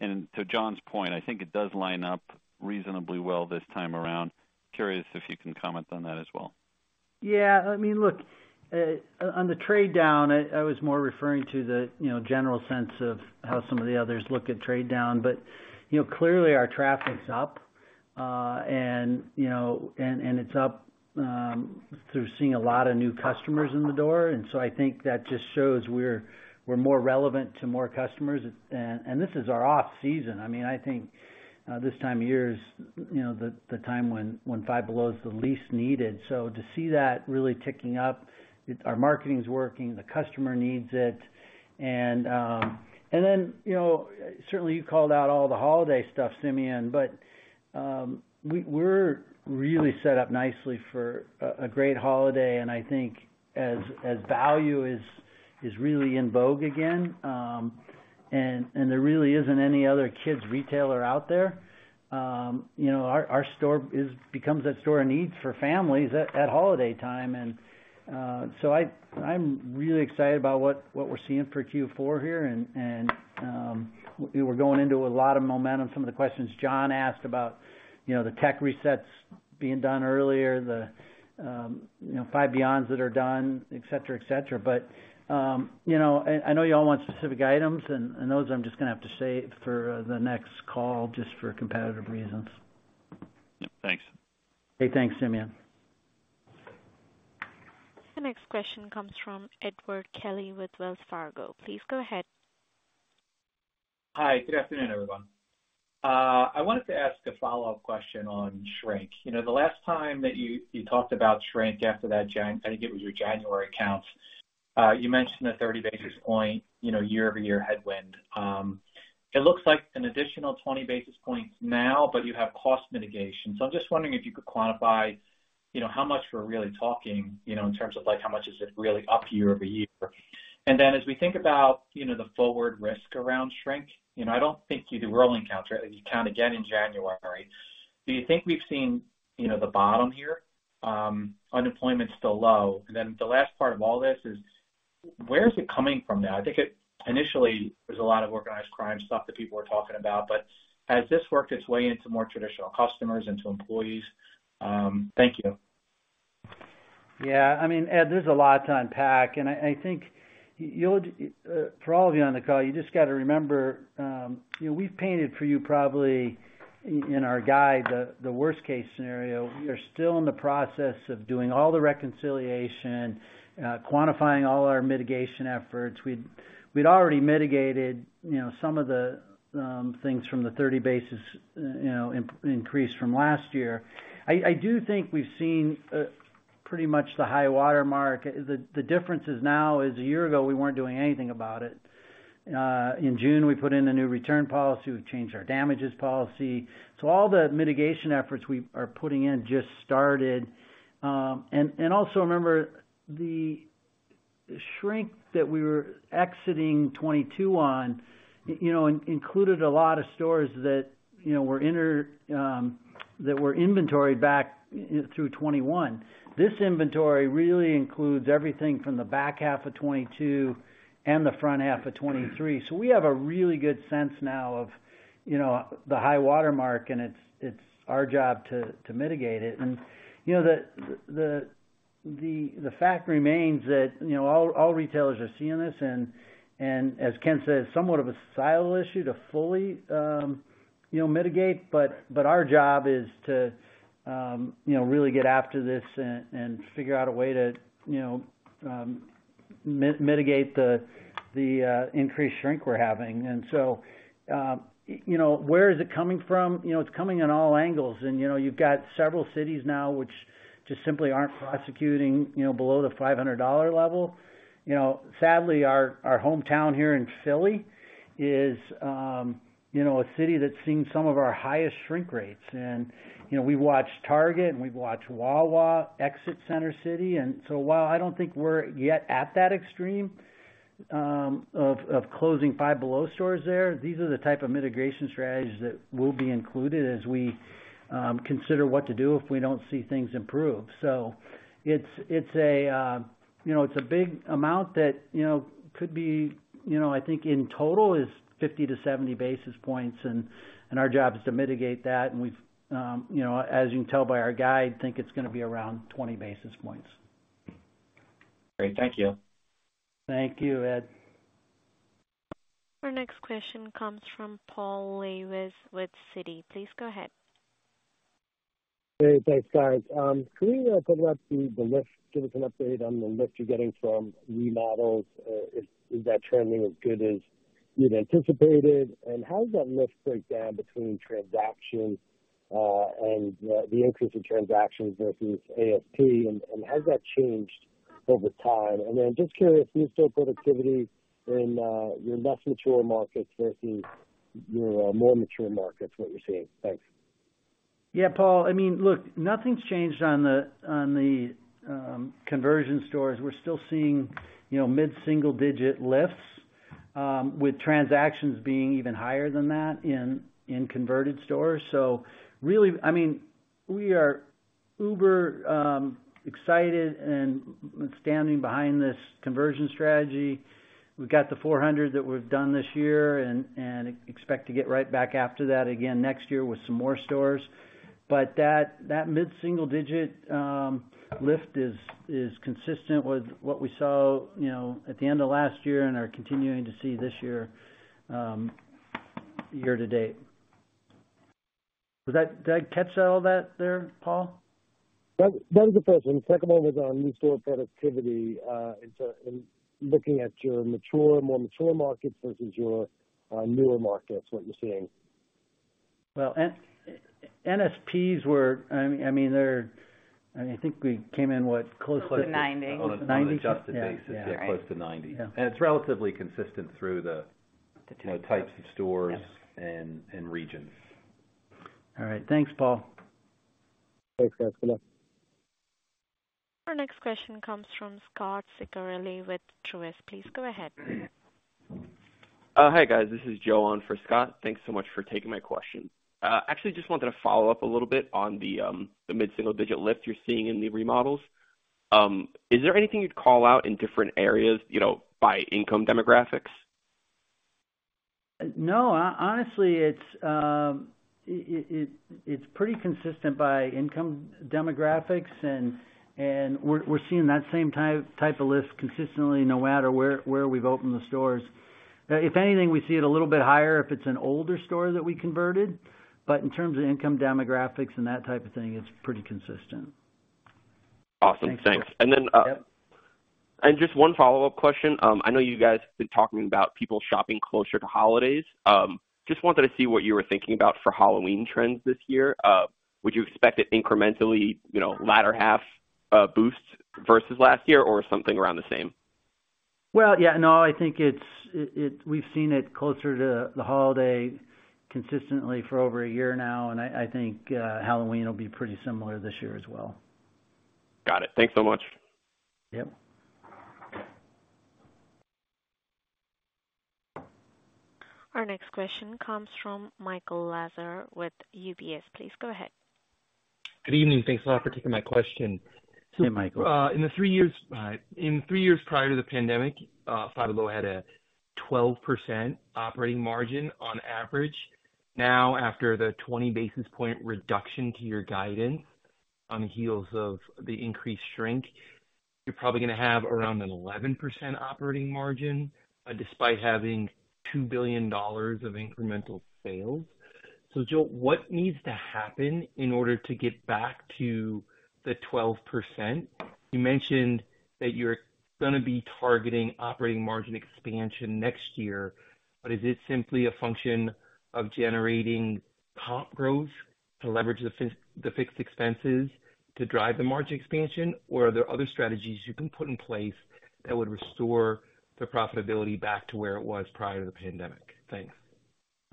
And to John's point, I think it does line up reasonably well this time around. Curious if you can comment on that as well. Yeah, I mean, look, on the trade down, I was more referring to the, you know, general sense of how some of the others look at trade down. But, you know, clearly our traffic's up, and, you know, it's up through seeing a lot of new customers in the door. And so I think that just shows we're more relevant to more customers. And this is our off-season. I mean, I think this time of year is, you know, the time when Five Below is the least needed. So to see that really ticking up, our marketing is working, the customer needs it. And then, you know, certainly you called out all the holiday stuff, Simeon, but we're really set up nicely for a great holiday, and I think as value is really in vogue again, and there really isn't any other kids retailer out there, you know, our store becomes that store of need for families at holiday time. And so I, I'm really excited about what we're seeing for Q4 here. And we're going into a lot of momentum. Some of the questions John asked about, you know, the tech resets being done earlier, the, you know, Five Beyonds that are done, et cetera, et cetera. But, you know, I know you all want specific items, and those I'm just gonna have to save for the next call, just for competitive reasons. Thanks. Hey, thanks, Simeon. The next question comes from Edward Kelly with Wells Fargo. Please go ahead. Hi, good afternoon, everyone. I wanted to ask a follow-up question on shrink. You know, the last time that you talked about shrink after that January count, you mentioned a 30 basis point, you know, year-over-year headwind. It looks like an additional 20 basis points now, but you have cost mitigation. So I'm just wondering if you could quantify, you know, how much we're really talking, you know, in terms of like, how much is it really up year-over-year? And then, as we think about, you know, the forward risk around shrink, you know, I don't think you will encounter it, you count again in January. Do you think we've seen, you know, the bottom here? Unemployment's still low. And then the last part of all this is: where is it coming from now? I think it initially, there's a lot of organized crime stuff that people are talking about, but has this worked its way into more traditional customers, into employees? Thank you. Yeah, I mean, Ed, there's a lot to unpack, and I think you'll for all of you on the call, you just got to remember, you know, we've painted for you, probably in our guide, the worst-case scenario. We are still in the process of doing all the reconciliation, quantifying all our mitigation efforts. We'd already mitigated, you know, some of the things from the 30 basis point increase from last year. I do think we've seen pretty much the high watermark. The difference is now, is a year ago, we weren't doing anything about it. In June, we put in a new return policy, we've changed our damages policy. So all the mitigation efforts we are putting in just started. Also, remember the shrink that we were exiting 2022 on, you know, included a lot of stores that, you know, that were inventoried back through 2021. This inventory really includes everything from the back half of 2022 and the front half of 2023. So we have a really good sense now of, you know, the high watermark, and it's our job to mitigate it. And, you know, the fact remains that, you know, all retailers are seeing this, and as Ken said, it's somewhat of a silo issue to fully, you know, mitigate, but our job is to, you know, really get after this and figure out a way to, you know, mitigate the increased shrink we're having. And so, you know, where is it coming from? You know, it's coming in all angles, and, you know, you've got several cities now, which just simply aren't prosecuting, you know, below the $500 level. You know, sadly, our, our hometown here in Philly is, you know, a city that's seen some of our highest shrink rates. And, you know, we've watched Target and we've watched Wawa exit Center City. And so while I don't think we're yet at that extreme, of closing Five Below stores there, these are the type of mitigation strategies that will be included as we consider what to do if we don't see things improve. So it's, it's a, you know, it's a big amount that, you know, could be... You know, I think in total is 50-70 basis points, and, and our job is to mitigate that. We've, you know, as you can tell by our guide, think it's gonna be around 20 basis points. Great. Thank you. Thank you, Ed. Our next question comes from Paul Lejuez with Citi. Please go ahead. Hey, thanks, guys. Can we follow up the lift? Give us an update on the lift you're getting from remodels. Is that trending as good as you'd anticipated? And how does that lift break down between transactions, and the increase in transactions versus ASP? And has that changed over time? And then just curious, do you see productivity in your less mature markets versus your more mature markets, what you're seeing? Thanks. Yeah, Paul. I mean, look, nothing's changed on the, on the, conversion stores. We're still seeing, you know, mid-single-digit lifts, with transactions being even higher than that in, in converted stores. So really, I mean, we are uber excited and standing behind this conversion strategy. We've got the 400 that we've done this year and, and expect to get right back after that again next year with some more stores. But that, that mid-single-digit lift is, is consistent with what we saw, you know, at the end of last year and are continuing to see this year, year-to-date. Was that, did I catch all that there, Paul? That, that was the first one. The second one was on new store productivity, in looking at your mature, more mature markets versus your newer markets, what you're seeing. Well, NSPs were. I mean, they're. I think we came in, what? Close to. Close to 90. Ninety. On an adjusted basis. Yeah. Yeah, close to 90. Yeah. And it's relatively consistent through the types of stores- Yep and regions. All right, thanks, Paul. Thanks, guys. Good luck. Our next question comes from Scott Ciccarelli with Truist. Please go ahead. Hi, guys. This is Joe on for Scott. Thanks so much for taking my question. Actually, just wanted to follow up a little bit on the mid-single-digit lift you're seeing in the remodels. Is there anything you'd call out in different areas, you know, by income demographics? No, honestly, it's pretty consistent by income demographics, and we're seeing that same type of lift consistently, no matter where we've opened the stores. If anything, we see it a little bit higher, if it's an older store that we converted. But in terms of income demographics and that type of thing, it's pretty consistent. Awesome. Thanks. Thanks. And then, Yep. Just one follow-up question. I know you guys have been talking about people shopping closer to holidays. Just wanted to see what you were thinking about for Halloween trends this year. Would you expect it incrementally, you know, latter half, boost versus last year, or something around the same? Well, yeah, no, I think it's. We've seen it closer to the holiday consistently for over a year now, and I think Halloween will be pretty similar this year as well. Got it. Thanks so much. Yep. Our next question comes from Michael Lasser with UBS. Please go ahead. Good evening. Thanks a lot for taking my question. Hey, Michael. In three years prior to the pandemic, Five Below had a 12% operating margin on average. Now, after the 20 basis point reduction to your guidance on the heels of the increased shrink, you're probably gonna have around an 11% operating margin, despite having $2 billion of incremental sales. So Joel, what needs to happen in order to get back to the 12%? You mentioned that you're gonna be targeting operating margin expansion next year, but is this simply a function of generating comp growth to leverage the fix, the fixed expenses to drive the margin expansion? Or are there other strategies you can put in place that would restore the profitability back to where it was prior to the pandemic? Thanks.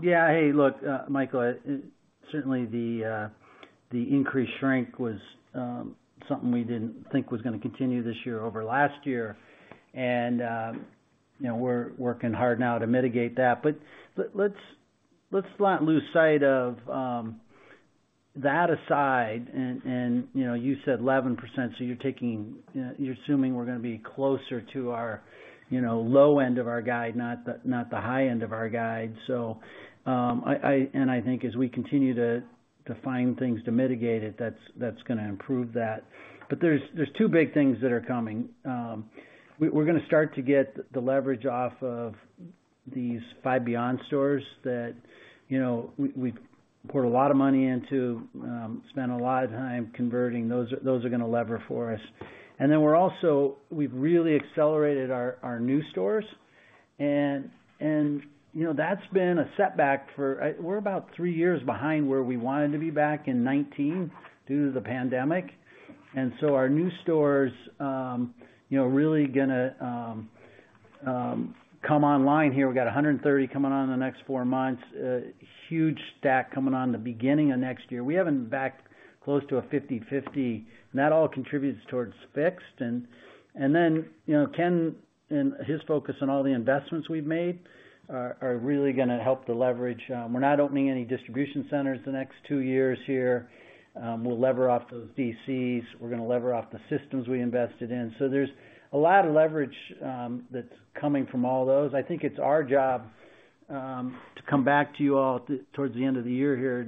Yeah. Hey, look, Michael, certainly the increased shrink was something we didn't think was gonna continue this year over last year. And, you know, we're working hard now to mitigate that. But let's not lose sight of... That aside, and, you know, you said 11%, so you're taking, you're assuming we're gonna be closer to our, you know, low end of our guide, not the high end of our guide. So, I-- and I think as we continue to find things to mitigate it, that's gonna improve that. But there's two big things that are coming. We're gonna start to get the leverage off of these Five Beyond stores that, you know, we've poured a lot of money into, spent a lot of time converting. Those are gonna leverage for us. And then we're also. We've really accelerated our new stores, and, you know, that's been a setback for. We're about three years behind where we wanted to be back in 2019 due to the pandemic. And so our new stores, you know, really gonna come online here. We've got 130 coming on in the next four months, a huge stack coming on in the beginning of next year. We haven't been back close to a 50/50, and that all contributes towards fixed. And then, you know, Ken and his focus on all the investments we've made are really gonna help the leverage. We're not opening any distribution centers the next two years here. We'll leverage off those DCs. We're gonna leverage off the systems we invested in. So there's a lot of leverage that's coming from all those. I think it's our job to come back to you all towards the end of the year here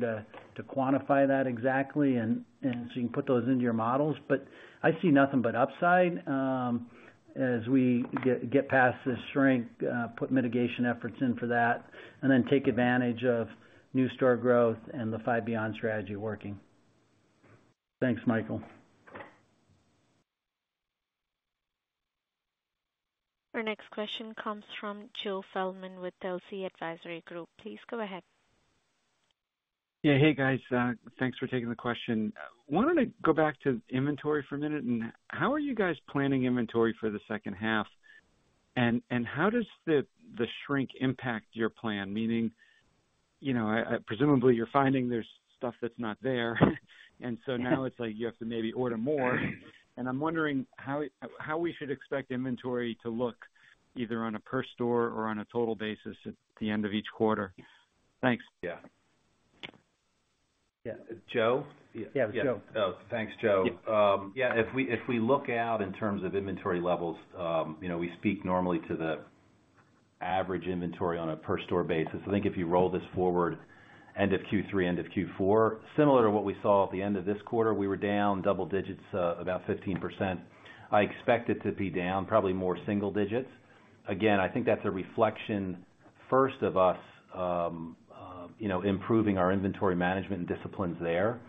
to quantify that exactly and so you can put those into your models. But I see nothing but upside as we get past this shrink, put mitigation efforts in for that, and then take advantage of new store growth and the Five Beyond strategy working. Thanks, Michael. Our next question comes from Joe Feldman with Telsey Advisory Group. Please go ahead. Yeah. Hey, guys, thanks for taking the question. I wanted to go back to inventory for a minute. And how are you guys planning inventory for the second half? And, the shrink impact your plan? Meaning, you know, presumably, you're finding there's stuff that's not there, and so now it's like you have to maybe order more. And I'm wondering how we should expect inventory to look, either on a per store or on a total basis at the end of each quarter. Thanks. Yeah. Yeah. Joe? Yeah, it's Joe. Oh, thanks, Joe. Yep. Yeah, if we look out in terms of inventory levels, you know, we speak normally to the average inventory on a per store basis. I think if you roll this forward, end of Q3, end of Q4, similar to what we saw at the end of this quarter, we were down double digits, about 15%. I expect it to be down, probably mid single digits. Again, I think that's a reflection, first of us. You know, improving our inventory management and disciplines there.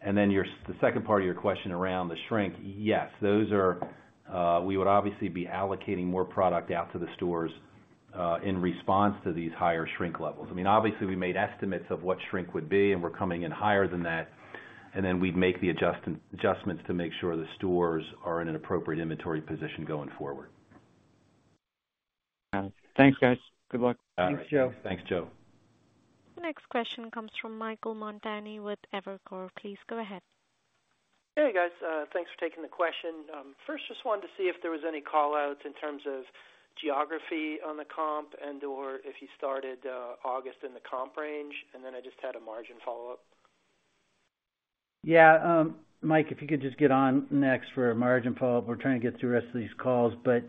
And then your, the second part of your question around the shrink. Yes, those are, we would obviously be allocating more product out to the stores, in response to these higher shrink levels. I mean, obviously, we made estimates of what shrink would be, and we're coming in higher than that, and then we'd make the adjustments to make sure the stores are in an appropriate inventory position going forward. Thanks, guys. Good luck. Thanks, Joe. Thanks, Joe. Next question comes from Michael Montani with Evercore. Please go ahead. Hey, guys, thanks for taking the question. First, just wanted to see if there was any call-outs in terms of geography on the comp and, or if you started August in the comp range, and then I just had a margin follow-up. Yeah, Mike, if you could just get on next for a margin follow-up. We're trying to get through the rest of these calls, but,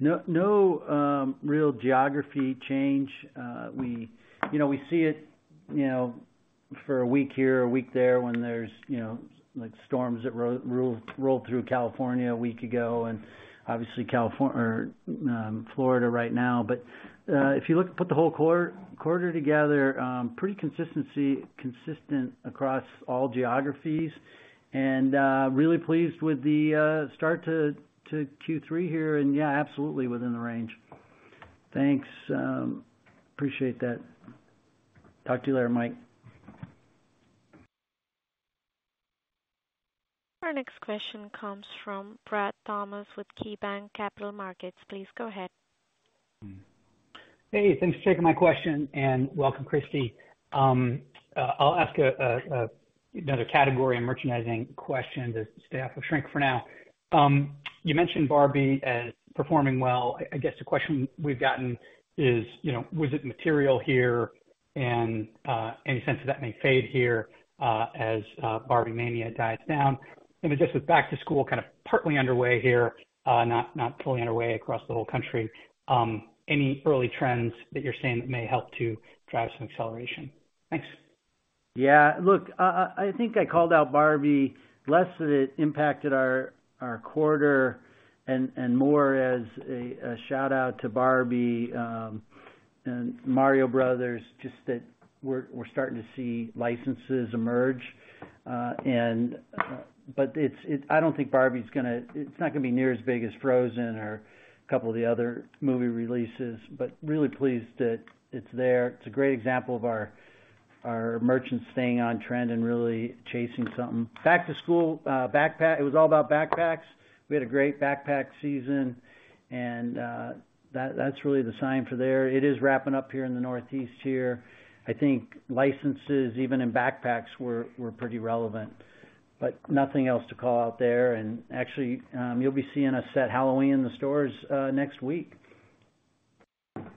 no, no, real geography change. We, you know, we see it, you know, for a week here or a week there when there's, you know, like, storms that rolled through California a week ago, and obviously, California or Florida right now. But, if you look, put the whole quarter together, pretty consistent across all geographies and, really pleased with the start to Q3 here, and yeah, absolutely within the range. Thanks, appreciate that. Talk to you later, Mike. Our next question comes from Brad Thomas with KeyBanc Capital Markets. Please go ahead. Hey, thanks for taking my question, and welcome, Kristy. I'll ask another category and merchandising question to stay off of shrink for now. You mentioned Barbie as performing well. I guess the question we've gotten is, you know, was it material here, and any sense that may fade here as Barbie mania dies down? And then, just with back to school, kind of partly underway here, not fully underway across the whole country, any early trends that you're seeing that may help to drive some acceleration? Thanks. Yeah, look, I think I called out Barbie less that it impacted our quarter and more as a shout-out to Barbie and Mario Brothers, just that we're starting to see licenses emerge. But it's-- I don't think Barbie's gonna... it's not gonna be near as big as Frozen or a couple of the other movie releases, but really pleased that it's there. It's a great example of our merchants staying on trend and really chasing something. Back to school, backpack-- it was all about backpacks. We had a great backpack season, and that's really the sign for there. It is wrapping up here in the Northeast here. I think licenses, even in backpacks, were pretty relevant. But nothing else to call out there. Actually, you'll be seeing us set Halloween in the stores next week.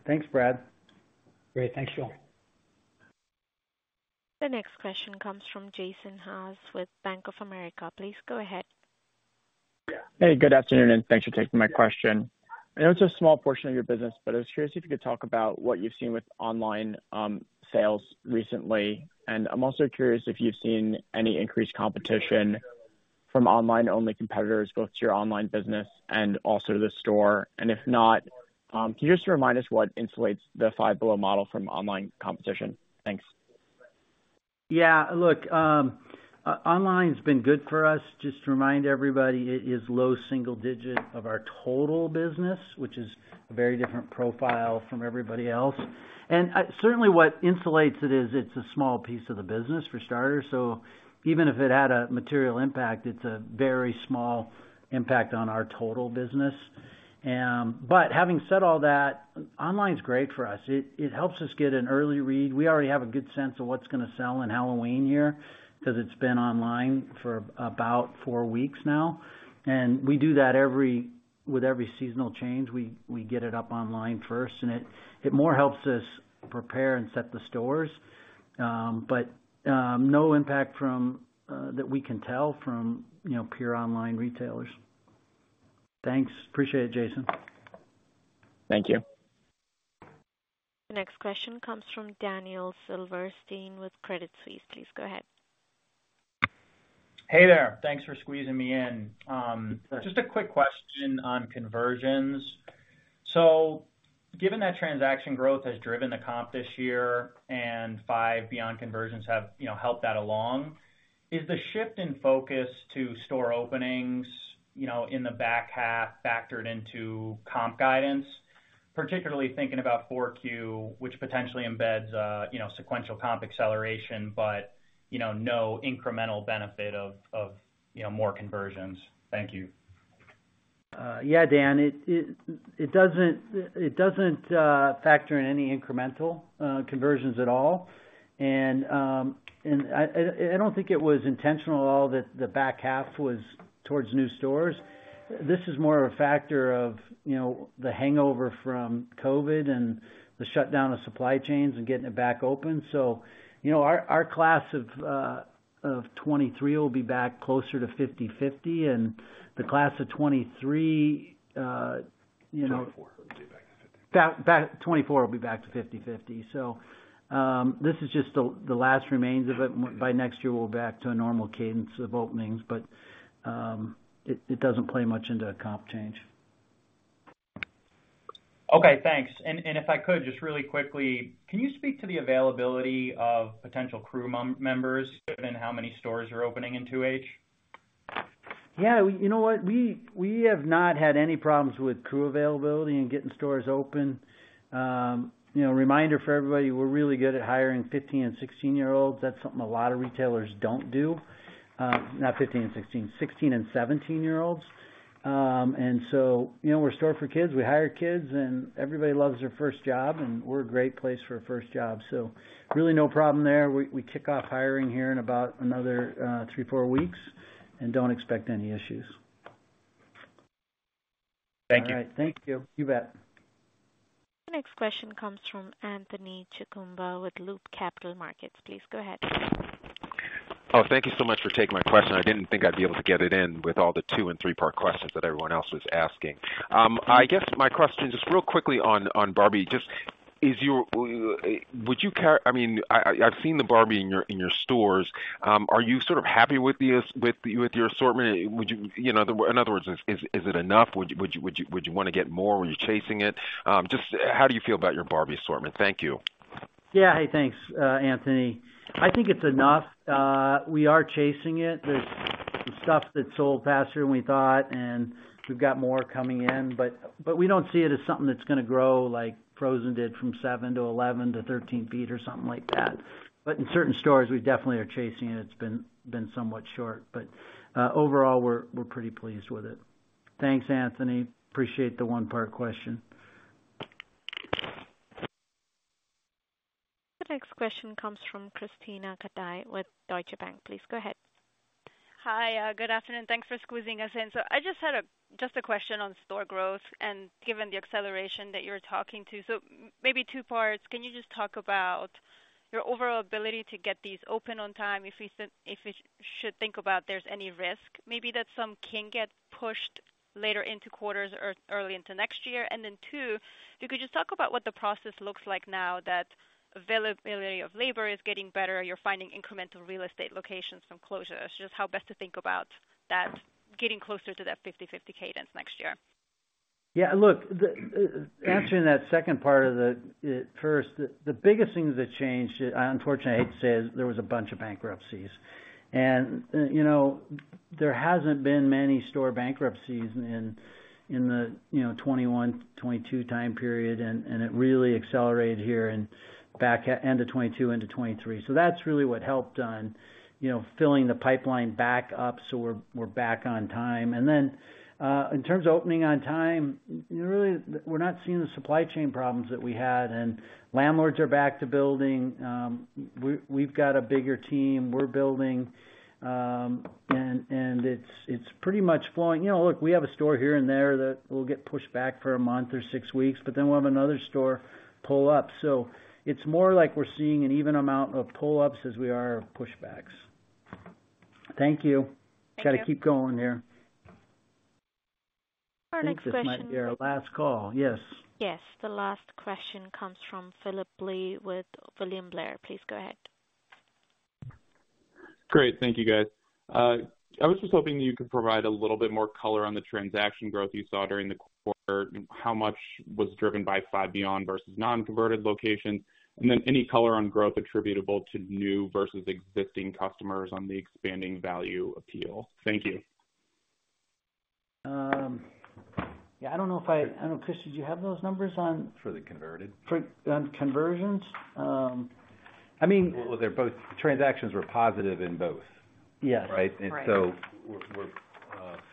Thanks, Brad. Great. Thanks, Joe. The next question comes from Jason Haas with Bank of America. Please go ahead. Hey, good afternoon, and thanks for taking my question. I know it's a small portion of your business, but I was curious if you could talk about what you've seen with online sales recently. And I'm also curious if you've seen any increased competition from online-only competitors, both to your online business and also to the store. And if not, can you just remind us what insulates the Five Below model from online competition? Thanks. Yeah, look, online's been good for us. Just to remind everybody, it is low single digit of our total business, which is a very different profile from everybody else. And certainly what insulates it is, it's a small piece of the business, for starters. So even if it had a material impact, it's a very small impact on our total business. But having said all that, online's great for us. It helps us get an early read. We already have a good sense of what's gonna sell in Halloween here because it's been online for about 4 weeks now, and we do that with every seasonal change. We get it up online first, and it more helps us prepare and set the stores, but no impact from that we can tell from, you know, pure online retailers. Thanks.Appreciate it, Jason. Thank you. The next question comes from Daniel Silverstein with Credit Suisse. Please go ahead. Hey there. Thanks for squeezing me in. Just a quick question on conversions. So given that transaction growth has driven the comp this year and Five Beyond conversions have, you know, helped that along, is the shift in focus to store openings, you know, in the back half, factored into comp guidance, particularly thinking about Q4, which potentially embeds, you know, sequential comp acceleration, but, you know, no incremental benefit of, of, you know, more conversions? Thank you. Yeah, Dan, it doesn't factor in any incremental conversions at all. And I don't think it was intentional at all that the back half was towards new stores. This is more of a factor of, you know, the hangover from COVID and the shutdown of supply chains and getting it back open. So, you know, our class of 2023 will be back closer to 50/50, and the class of 2023, you know- 24 will be back to 50/50. 2024 will be back to 50/50. So, this is just the last remains of it. By next year, we'll be back to a normal cadence of openings, but it doesn't play much into a comp change. ... Okay, thanks. And if I could, just really quickly, can you speak to the availability of potential crew members, given how many stores are opening in 2H? Yeah, you know what? We have not had any problems with crew availability and getting stores open. You know, reminder for everybody, we're really good at hiring 15 and 16 year-olds. That's something a lot of retailers don't do. Not 15 and 16, 16 and 17 year-olds. And so, you know, we're store for kids. We hire kids, and everybody loves their first job, and we're a great place for a first job. So really, no problem there. We kick off hiring here in about another three-four weeks and don't expect any issues. Thank you. All right. Thank you. You bet. The next question comes from Anthony Chukumba with Loop Capital Markets. Please go ahead. Oh, thank you so much for taking my question. I didn't think I'd be able to get it in with all the two- and three-part questions that everyone else was asking. I guess my question, just real quickly on Barbie, just is your—would you care? I mean, I've seen the Barbie in your stores. Are you sort of happy with your assortment? Would you, you know, in other words, is it enough? Would you want to get more? Were you chasing it? Just how do you feel about your Barbie assortment? Thank you. Yeah. Hey, thanks, Anthony. I think it's enough. We are chasing it. There's some stuff that sold faster than we thought, and we've got more coming in, but we don't see it as something that's gonna grow like Frozen did, from 7-11-13 feet or something like that. But in certain stores, we definitely are chasing it. It's been somewhat short, but overall, we're pretty pleased with it. Thanks, Anthony. Appreciate the one-part question. The next question comes from Krisztina Katai with Deutsche Bank. Please go ahead. Hi, good afternoon. Thanks for squeezing us in. So I just had just a question on store growth and given the acceleration that you're talking to. So maybe two parts: Can you just talk about your overall ability to get these open on time? If we should think about there's any risk, maybe that some can get pushed later into quarters or early into next year. And then, two, if you could just talk about what the process looks like now that availability of labor is getting better, you're finding incremental real estate locations from closures, just how best to think about that getting closer to that 50/50 cadence next year. Yeah, look, answering that second part of the first, the biggest thing that changed, unfortunately, I hate to say it, there was a bunch of bankruptcies. And, you know, there hasn't been many store bankruptcies in the, you know, 2021, 2022 time period, and it really accelerated here in back end of 2022 into 2023. So that's really what helped on, you know, filling the pipeline back up, so we're back on time. And then, in terms of opening on time, really, we're not seeing the supply chain problems that we had, and landlords are back to building. We, we've got a bigger team. We're building, and it's pretty much flowing. You know, look, we have a store here and there that will get pushed back for a month or six weeks, but then we'll have another store pull up. So it's more like we're seeing an even amount of pull-ups as we are of pushbacks. Thank you. Thank you. Got to keep going here. Our next question- I think this might be our last call. Yes. Yes, the last question comes from Phillip Blee with William Blair. Please go ahead. Great. Thank you, guys. I was just hoping you could provide a little bit more color on the transaction growth you saw during the quarter, and how much was driven by Five Beyond versus non-converted locations, and then any color on growth attributable to new versus existing customers on the expanding value appeal. Thank you. Yeah, I don't know if I... I don't know, Chris, did you have those numbers on- For the converted? For, on conversions? I mean- Well, they're both transactions were positive in both. Yes. Right? Right. And so we're,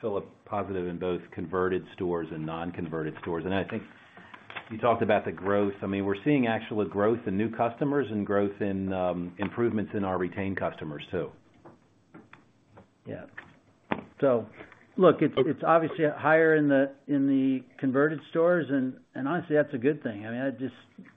Phillip, positive in both converted stores and non-converted stores. And I think you talked about the growth. I mean, we're seeing actual growth in new customers and growth in improvements in our retained customers, too. Yeah. So look, it's- Okay... it's obviously higher in the converted stores, and honestly, that's a good thing. I mean, I just--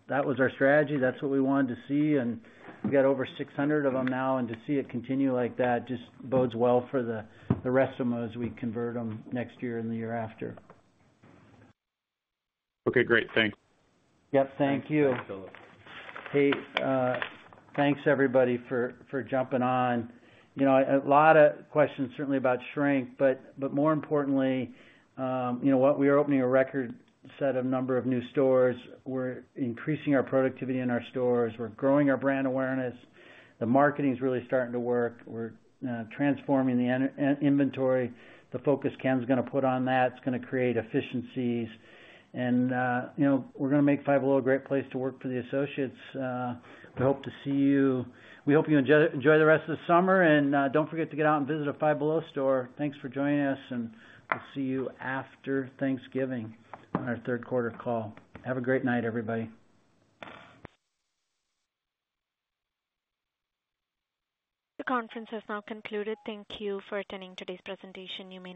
that was our strategy. That's what we wanted to see, and we got over 600 of them now. And to see it continue like that just bodes well for the rest of them as we convert them next year and the year after. Okay, great. Thanks. Yep, thank you. Thanks, Phillip. Hey, thanks, everybody, for jumping on. You know, a lot of questions certainly about shrink, but more importantly, you know what? We are opening a record set of number of new stores. We're increasing our productivity in our stores. We're growing our brand awareness. The marketing is really starting to work. We're transforming the inventory, the focus Ken's gonna put on that is gonna create efficiencies. And, you know, we're gonna make Five Below a great place to work for the associates. We hope to see you. We hope you enjoy the rest of the summer, and don't forget to get out and visit a Five Below store. Thanks for joining us, and we'll see you after Thanksgiving on our third quarter call. Have a great night, everybody. The conference has now concluded. Thank you for attending today's presentation. You may disconnect.